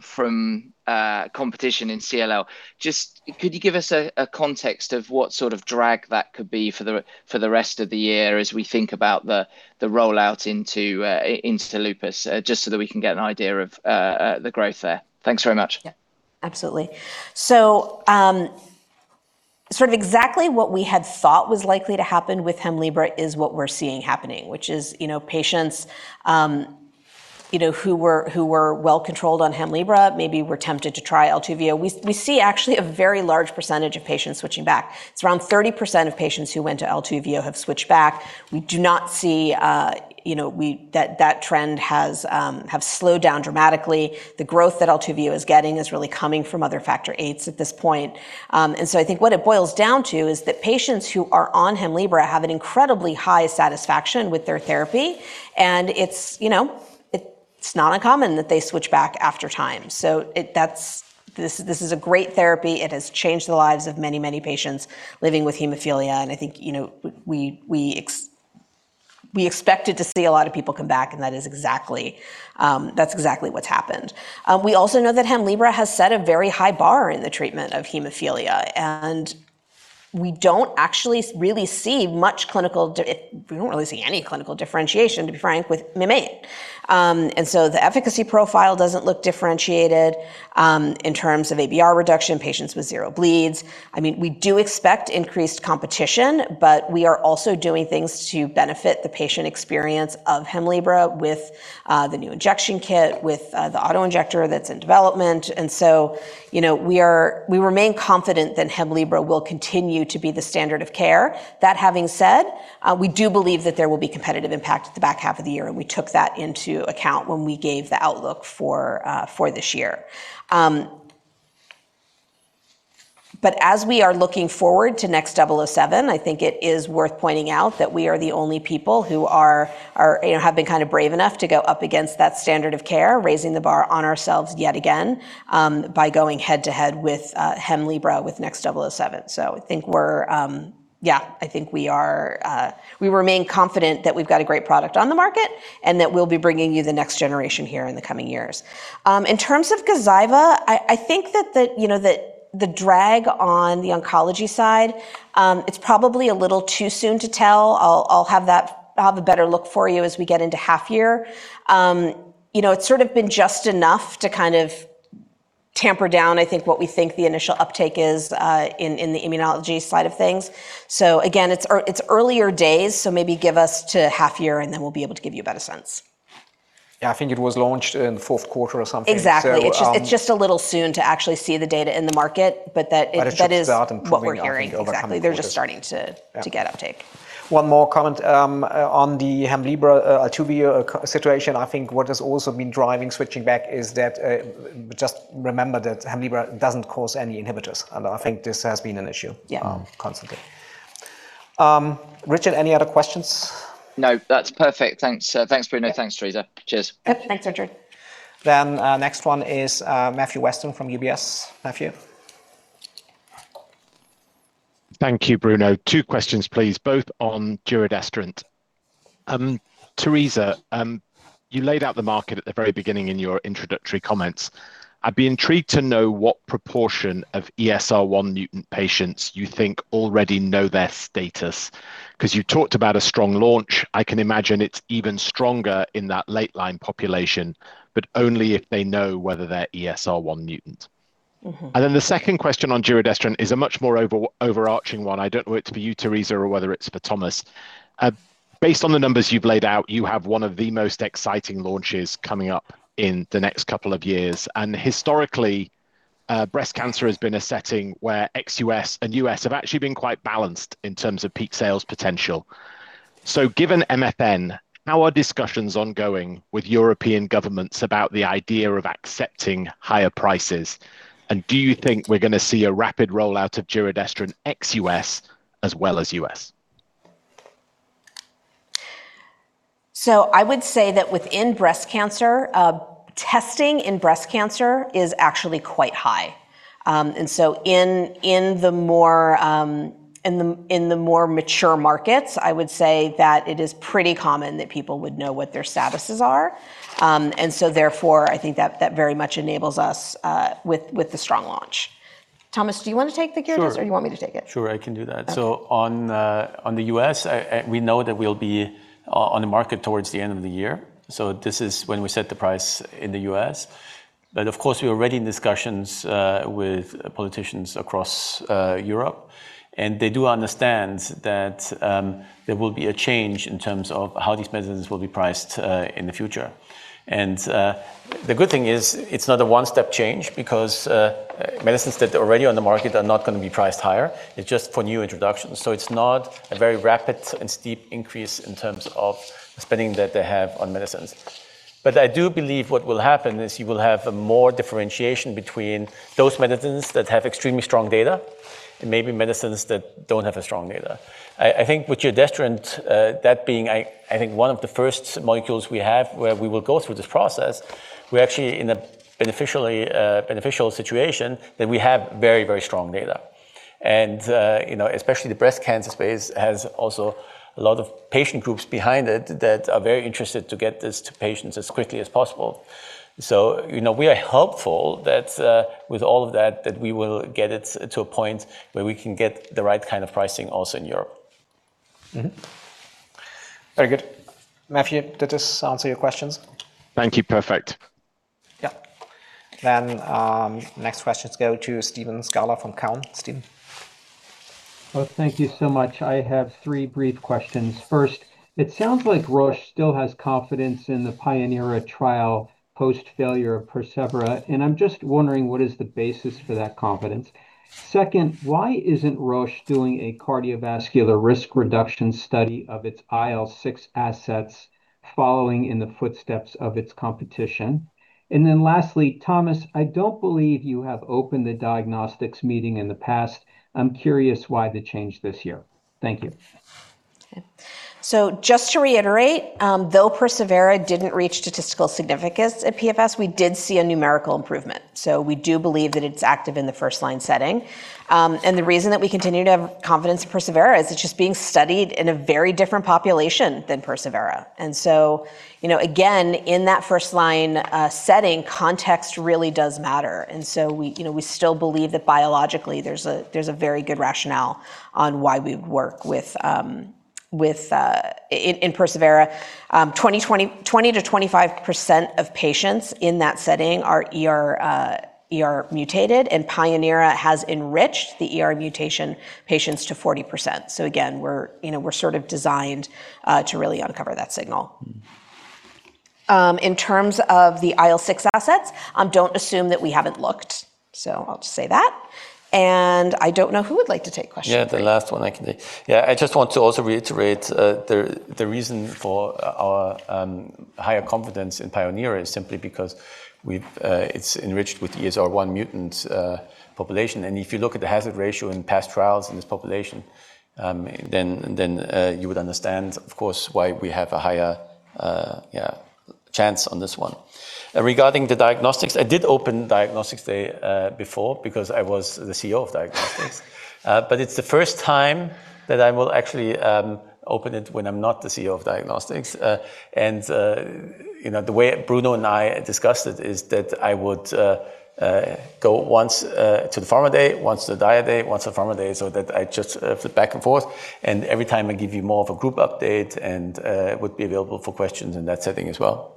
from competition in CLL. Could you give us a context of what sort of drag that could be for the rest of the year as we think about the rollout into lupus, just so that we can get an idea of the growth there? Thanks very much. Yeah. Absolutely. Sort of exactly what we had thought was likely to happen with Hemlibra is what we're seeing happening, which is patients who were well-controlled on Hemlibra maybe were tempted to try ALTUVIIIO. We see actually a very large percentage of patients switching back. It's around 30% of patients who went to ALTUVIIIO have switched back. We do not see that trend have slowed down dramatically. The growth that ALTUVIIIO is getting is really coming from other factor VIII at this point. I think what it boils down to is that patients who are on Hemlibra have an incredibly high satisfaction with their therapy, and it's not uncommon that they switch back after time. This is a great therapy. It has changed the lives of many, many patients living with hemophilia, and I think we expected to see a lot of people come back, and that's exactly what's happened. We also know that Hemlibra has set a very high bar in the treatment of hemophilia, and we don't actually really see any clinical differentiation, to be frank, with Mim8. The efficacy profile doesn't look differentiated, in terms of ABR reduction, patients with zero bleeds. I mean, we do expect increased competition, but we are also doing things to benefit the patient experience of Hemlibra with the new injection kit, with the auto-injector that's in development. We remain confident that Hemlibra will continue to be the standard of care. That having said, we do believe that there will be competitive impact at the back half of the year, and we took that into account when we gave the outlook for this year. As we are looking forward to NXT007, I think it is worth pointing out that we are the only people who have been kind of brave enough to go up against that standard of care, raising the bar on ourselves yet again, by going head to head with Hemlibra with NXT007. I think we remain confident that we've got a great product on the market and that we'll be bringing you the next generation here in the coming years. In terms of Gazyva, I think that the drag on the oncology side, it's probably a little too soon to tell. I'll have a better look for you as we get into half year. It's sort of been just enough to kind of tamp down, I think, what we think the initial uptake is in the immunology side of things. Again, it's early days, so maybe give us another half year, and then we'll be able to give you a better sense. Yeah. I think it was launched in the fourth quarter or something. Exactly. It's just a little soon to actually see the data in the market. A good start and probably. What we're hearing. Exactly. Over coming quarters. They're just starting to get uptake. One more comment on the Hemlibra situation. I think what has also been driving switching back is that just remember that Hemlibra doesn't cause any inhibitors, and I think this has been an issue constantly. Yeah. Richard, any other questions? No, that's perfect. Thanks, Bruno. Thanks, Teresa. Cheers. Thanks, Richard. Next one is Matthew Weston from UBS. Matthew? Thank you, Bruno. Two questions, please, both on giredestrant. Teresa, you laid out the market at the very beginning in your introductory comments. I'd be intrigued to know what proportion of ESR1 mutant patients you think already know their status. Because you talked about a strong launch. I can imagine it's even stronger in that late line population, but only if they know whether they're ESR1 mutant. Mm-hmm. Then the second question on giredestrant is a much more overarching one. I don't know whether it's for you, Teresa, or whether it's for Thomas. Based on the numbers you've laid out, you have one of the most exciting launches coming up in the next couple of years. Historically, breast cancer has been a setting where ex U.S. and U.S. have actually been quite balanced in terms of peak sales potential. Given MFN, how are discussions ongoing with European governments about the idea of accepting higher prices? Do you think we're going to see a rapid rollout of giredestrant ex U.S. as well as U.S.? I would say that within breast cancer, testing in breast cancer is actually quite high. In the more mature markets, I would say that it is pretty common that people would know what their statuses are. Therefore, I think that very much enables us with the strong launch. Thomas, do you want to take the giredestrant or do you want me to take it? Sure, I can do that. Okay. On the U.S., we know that we'll be on the market towards the end of the year. This is when we set the price in the U.S. Of course, we are already in discussions with politicians across Europe, and they do understand that there will be a change in terms of how these medicines will be priced in the future. The good thing is, it's not a one-step change because medicines that are already on the market are not going to be priced higher. It's just for new introductions. It's not a very rapid and steep increase in terms of spending that they have on medicines. I do believe what will happen is you will have more differentiation between those medicines that have extremely strong data and maybe medicines that don't have a strong data. I think with giredestrant, that being I think one of the first molecules we have where we will go through this process, we're actually in a beneficial situation that we have very strong data. Especially the breast cancer space has also a lot of patient groups behind it that are very interested to get this to patients as quickly as possible. We are hopeful that with all of that we will get it to a point where we can get the right kind of pricing also in Europe. Very good. Matthew, did this answer your questions? Thank you. Perfect. Yeah. Next questions go to Steve Scala from TD Cowen. Steve. Oh, thank you so much. I have three brief questions. First, it sounds like Roche still has confidence in the pionERA trial post-failure of persevERA, and I'm just wondering what is the basis for that confidence. Second, why isn't Roche doing a cardiovascular risk reduction study of its IL-6 assets following in the footsteps of its competition? And then lastly, Thomas, I don't believe you have opened the diagnostics meeting in the past. I'm curious why the change this year. Thank you. Okay. Just to reiterate, though persevERA didn't reach statistical significance at PFS, we did see a numerical improvement. We do believe that it's active in the first-line setting. The reason that we continue to have confidence in pionERA is it's just being studied in a very different population than persevERA. Again, in that first-line setting, context really does matter. We still believe that biologically there's a very good rationale on why it works in persevERA. 20%-25% of patients in that setting are ER-mutated, and pionERA has enriched the ER mutation patients to 40%. Again, we're sort of designed to really uncover that signal. In terms of the IL-6 assets, don't assume that we haven't looked. I'll just say that. I don't know who would like to take question three. Yeah, the last one I can take. Yeah, I just want to also reiterate, the reason for our higher confidence in pionERA is simply because it's enriched with ESR1 mutant population, and if you look at the hazard ratio in past trials in this population, then you would understand, of course, why we have a higher chance on this one. Regarding the Diagnostics, I did open Diagnostics Day before because I was the CEO of Diagnostics. It's the first time that I will actually open it when I'm not the CEO of Diagnostics. The way Bruno and I discussed it is that I would go once to the Pharma Day, once to the Diagnostics Day, once to the Pharma Day, so that I just flip back and forth, and every time I give you more of a group update and would be available for questions in that setting as well.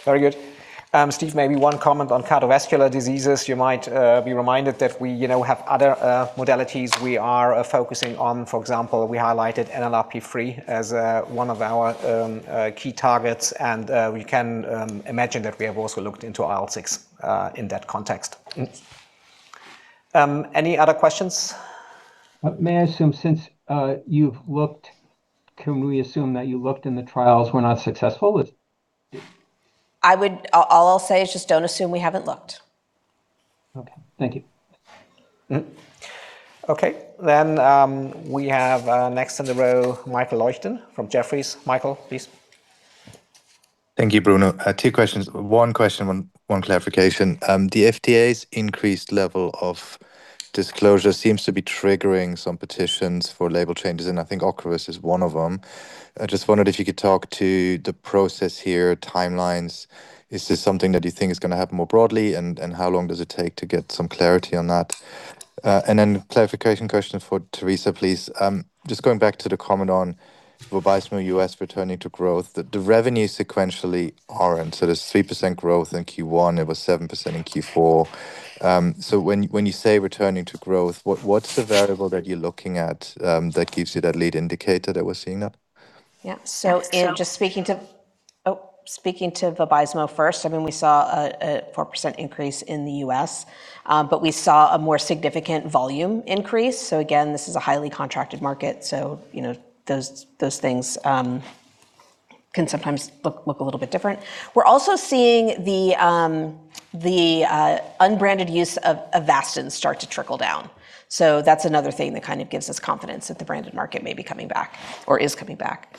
Yeah. Very good. Steve, maybe one comment on cardiovascular diseases. You might be reminded that we have other modalities we are focusing on. For example, we highlighted NLRP3 as one of our key targets and we can imagine that we have also looked into IL-6 in that context. Any other questions? May I assume since you've looked, can we assume that you looked and the trials were not successful? All I'll say is just don't assume we haven't looked. Okay. Thank you. Okay, then we have next in the row, Michael Leuchten from Jefferies. Michael, please. Thank you, Bruno. Two questions. One question, one clarification. The FDA's increased level of disclosure seems to be triggering some petitions for label changes, and I think Ocrevus is one of them. I just wondered if you could talk to the process here, timelines. Is this something that you think is going to happen more broadly? And how long does it take to get some clarity on that? And then clarification question for Teresa, please. Just going back to the comment on Vabysmo U.S. returning to growth, the revenues sequentially aren't. So there's 3% growth in Q1. It was 7% in Q4. So when you say returning to growth, what's the variable that you're looking at that gives you that lead indicator that we're seeing that? Yeah. In just speaking to Vabysmo first, we saw a 4% increase in the U.S., but we saw a more significant volume increase. Again, this is a highly contracted market, so those things can sometimes look a little bit different. We're also seeing the unbranded use of Avastin start to trickle down. That's another thing that kind of gives us confidence that the branded market may be coming back or is coming back.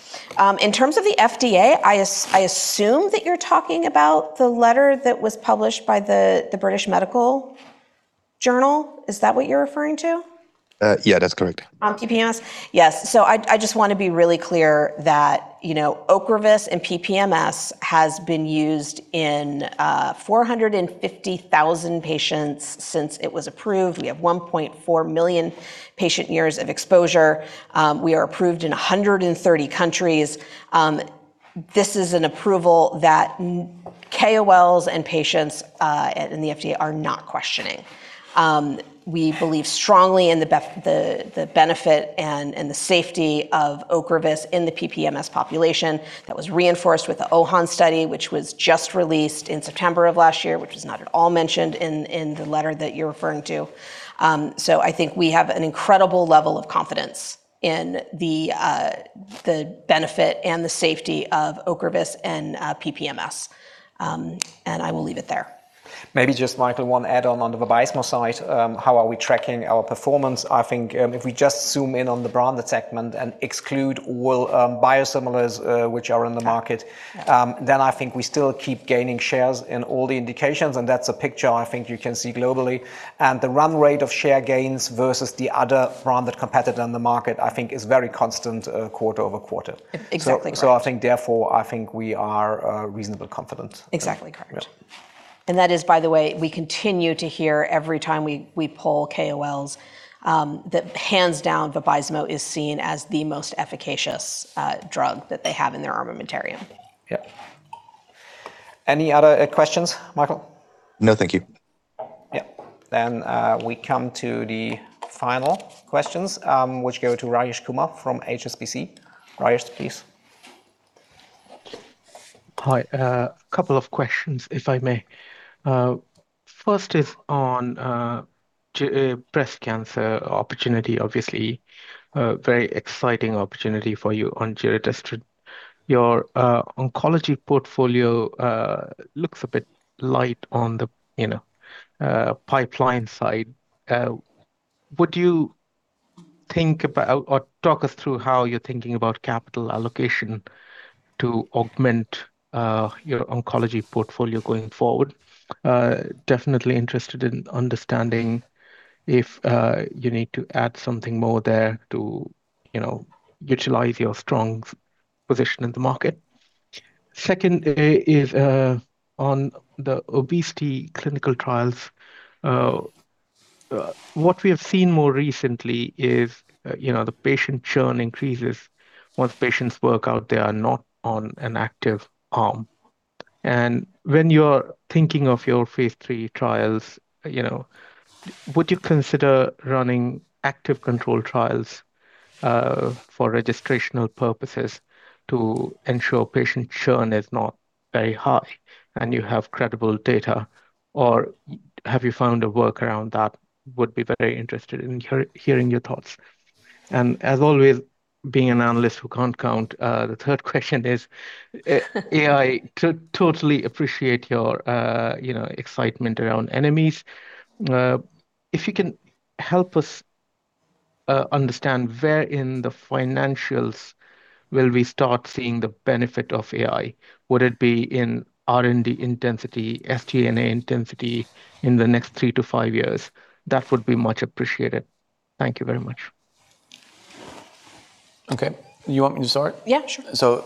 In terms of the FDA, I assume that you're talking about the letter that was published by the British Medical Journal. Is that what you're referring to? Yeah, that's correct. On PPMS? Yes. I just want to be really clear that Ocrevus and PPMS has been used in 450,000 patients since it was approved. We have 1.4 million patient years of exposure. We are approved in 130 countries. This is an approval that KOLs and patients in the FDA are not questioning. We believe strongly in the benefit and the safety of Ocrevus in the PPMS population. That was reinforced with the OHAN study, which was just released in September of last year, which was not at all mentioned in the letter that you're referring to. I think we have an incredible level of confidence in the benefit and the safety of Ocrevus and PPMS. I will leave it there. Maybe just, Michael, one add-on, on the Vabysmo side, how are we tracking our performance? I think if we just zoom in on the branded segment and exclude biosimilars which are on the market, then I think we still keep gaining shares in all the indications, and that's a picture I think you can see globally. The run rate of share gains versus the other branded competitor on the market, I think is very constant quarter-over-quarter. Exactly correct. I think we are reasonably confident. Exactly correct. That is, by the way, we continue to hear every time we poll KOLs, that hands down, Vabysmo is seen as the most efficacious drug that they have in their armamentarium. Yep. Any other questions, Michael? No, thank you. Yep. We come to the final questions, which go to Rajesh Kumar from HSBC. Rajesh, please. Hi. A couple of questions, if I may. First is on breast cancer opportunity. Obviously, a very exciting opportunity for you on giredestrant. Your oncology portfolio looks a bit light on the pipeline side. Would you think about or talk us through how you're thinking about capital allocation to augment your oncology portfolio going forward? Definitely interested in understanding if you need to add something more there to utilize your strong position in the market. Second is on the obesity clinical trials. What we have seen more recently is the patient churn increases once patients work out they are not on an active arm. When you're thinking of your phase III trials, would you consider running active control trials, for registrational purposes to ensure patient churn is not very high and you have credible data? Have you found a workaround that would be very interesting? I'm hearing your thoughts. As always, being an analyst who can't count, the third question is AI. Totally appreciate your excitement around NMEs. If you can help us understand where in the financials will we start seeing the benefit of AI? Would it be in R&D intensity, SG&A intensity in the next 3-5 years? That would be much appreciated. Thank you very much. Okay. You want me to start? Yeah, sure.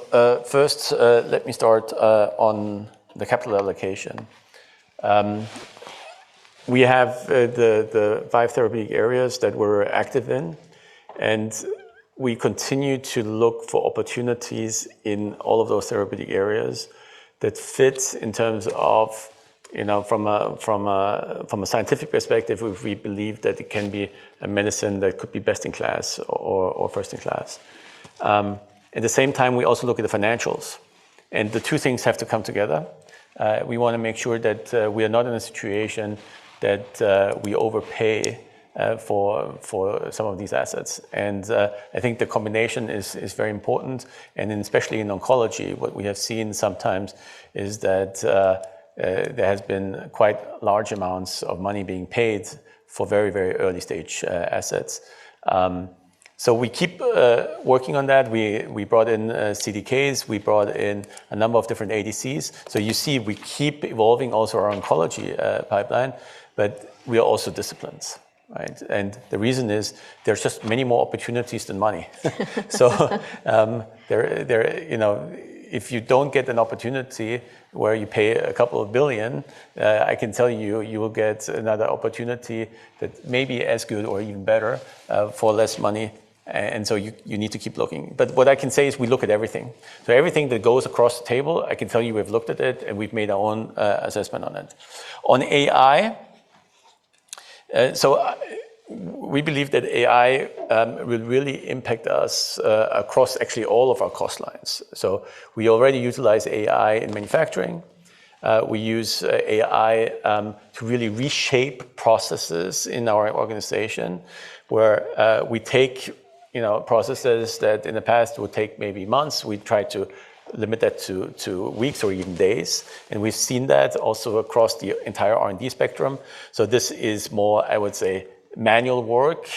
First, let me start on the capital allocation. We have the five therapeutic areas that we're active in. We continue to look for opportunities in all of those therapeutic areas that fit in terms of from a scientific perspective, if we believe that it can be a medicine that could be best in class or first in class. At the same time, we also look at the financials. The two things have to come together. We want to make sure that we are not in a situation that we overpay for some of these assets. I think the combination is very important, and especially in oncology, what we have seen sometimes is that there has been quite large amounts of money being paid for very early-stage assets. We keep working on that. We brought in CDKs. We brought in a number of different ADCs. You see, we keep evolving also our oncology pipeline, but we are also disciplined. Right? The reason is there's just many more opportunities than money. If you don't get an opportunity where you pay a couple of billion, I can tell you will get another opportunity that may be as good or even better for less money. You need to keep looking. What I can say is we look at everything. Everything that goes across the table, I can tell you we've looked at it and we've made our own assessment on it. On AI, we believe that AI will really impact us across actually all of our cost lines. We already utilize AI in manufacturing. We use AI to really reshape processes in our organization, where we take processes that in the past would take maybe months. We try to limit that to weeks or even days, and we've seen that also across the entire R&D spectrum. This is more, I would say, manual work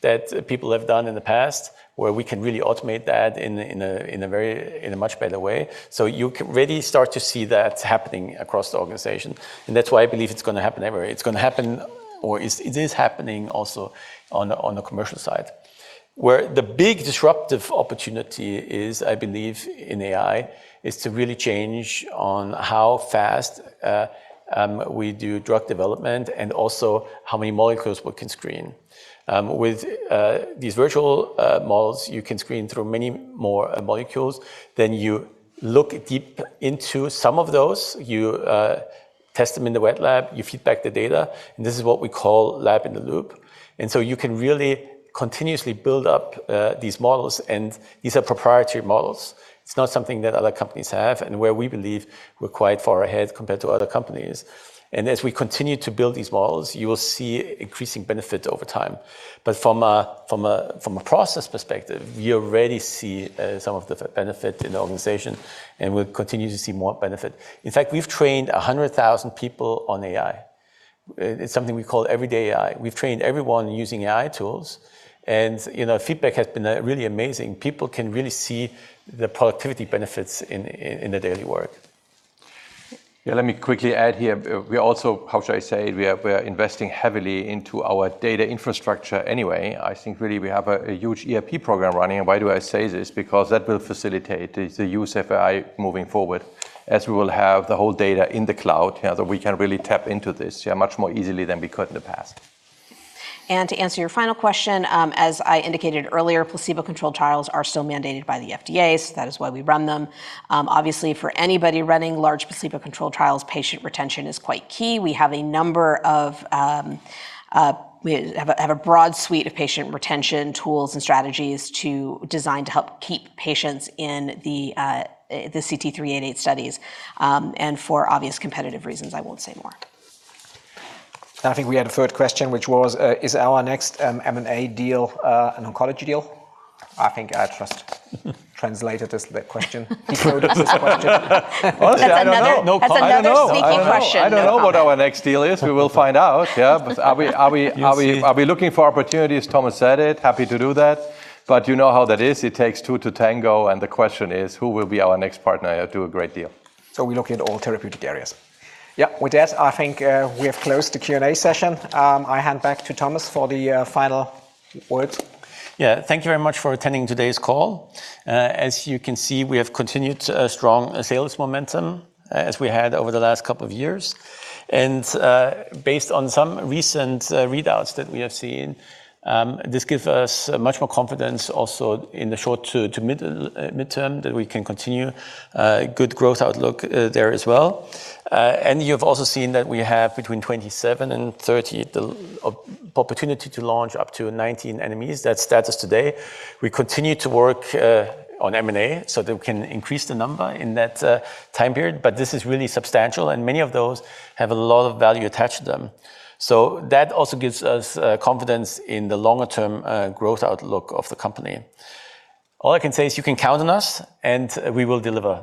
that people have done in the past, where we can really automate that in a much better way. You can really start to see that happening across the organization, and that's why I believe it's going to happen everywhere. It's going to happen or it is happening also on the commercial side. Where the big disruptive opportunity is, I believe in AI, is to really change on how fast we do drug development and also how many molecules we can screen. With these virtual models, you can screen through many more molecules, then you look deep into some of those. You test them in the wet lab. You feed back the data, and this is what we call Lab-in-the-Loop. You can really continuously build up these models, and these are proprietary models. It's not something that other companies have, and where we believe we're quite far ahead compared to other companies. As we continue to build these models, you will see increasing benefit over time. From a process perspective, we already see some of the benefit in the organization and we'll continue to see more benefit. In fact, we've trained 100,000 people on AI. It's something we call Everyday AI. We've trained everyone using AI tools, and feedback has been really amazing. People can really see the productivity benefits in their daily work. Yeah, let me quickly add here. We are also, how should I say it? We are investing heavily into our data infrastructure anyway. I think really we have a huge ERP program running, and why do I say this? Because that will facilitate the use of AI moving forward as we will have the whole data in the cloud, that we can really tap into this much more easily than we could in the past. To answer your final question, as I indicated earlier, placebo-controlled trials are still mandated by the FDA, so that is why we run them. Obviously, for anybody running large placebo-controlled trials, patient retention is quite key. We have a broad suite of patient retention tools and strategies designed to help keep patients in the CT-388 studies. For obvious competitive reasons, I won't say more. I think we had a third question, which was, "Is our next M&A deal an oncology deal?" I think I just translated this question. That's another. Honestly, I don't know. That's another sneaky question. No comment. I don't know what our next deal is. We will find out. Yeah. Are we? You see. Are we looking for opportunities? Thomas said it. Happy to do that. But you know how that is. It takes two to tango, and the question is, who will be our next partner to do a great deal? We're looking at all therapeutic areas. Yeah. With that, I think we have closed the Q&A session. I hand back to Thomas for the final words. Yeah. Thank you very much for attending today's call. As you can see, we have continued strong sales momentum as we had over the last couple of years, and based on some recent readouts that we have seen, this give us much more confidence also in the short to midterm that we can continue good growth outlook there as well. You've also seen that we have between 27 and 30 the opportunity to launch up to 19 NMEs. That's status today. We continue to work on M&A so that we can increase the number in that time period, but this is really substantial, and many of those have a lot of value attached to them. That also gives us confidence in the longer-term growth outlook of the company. All I can say is you can count on us, and we will deliver.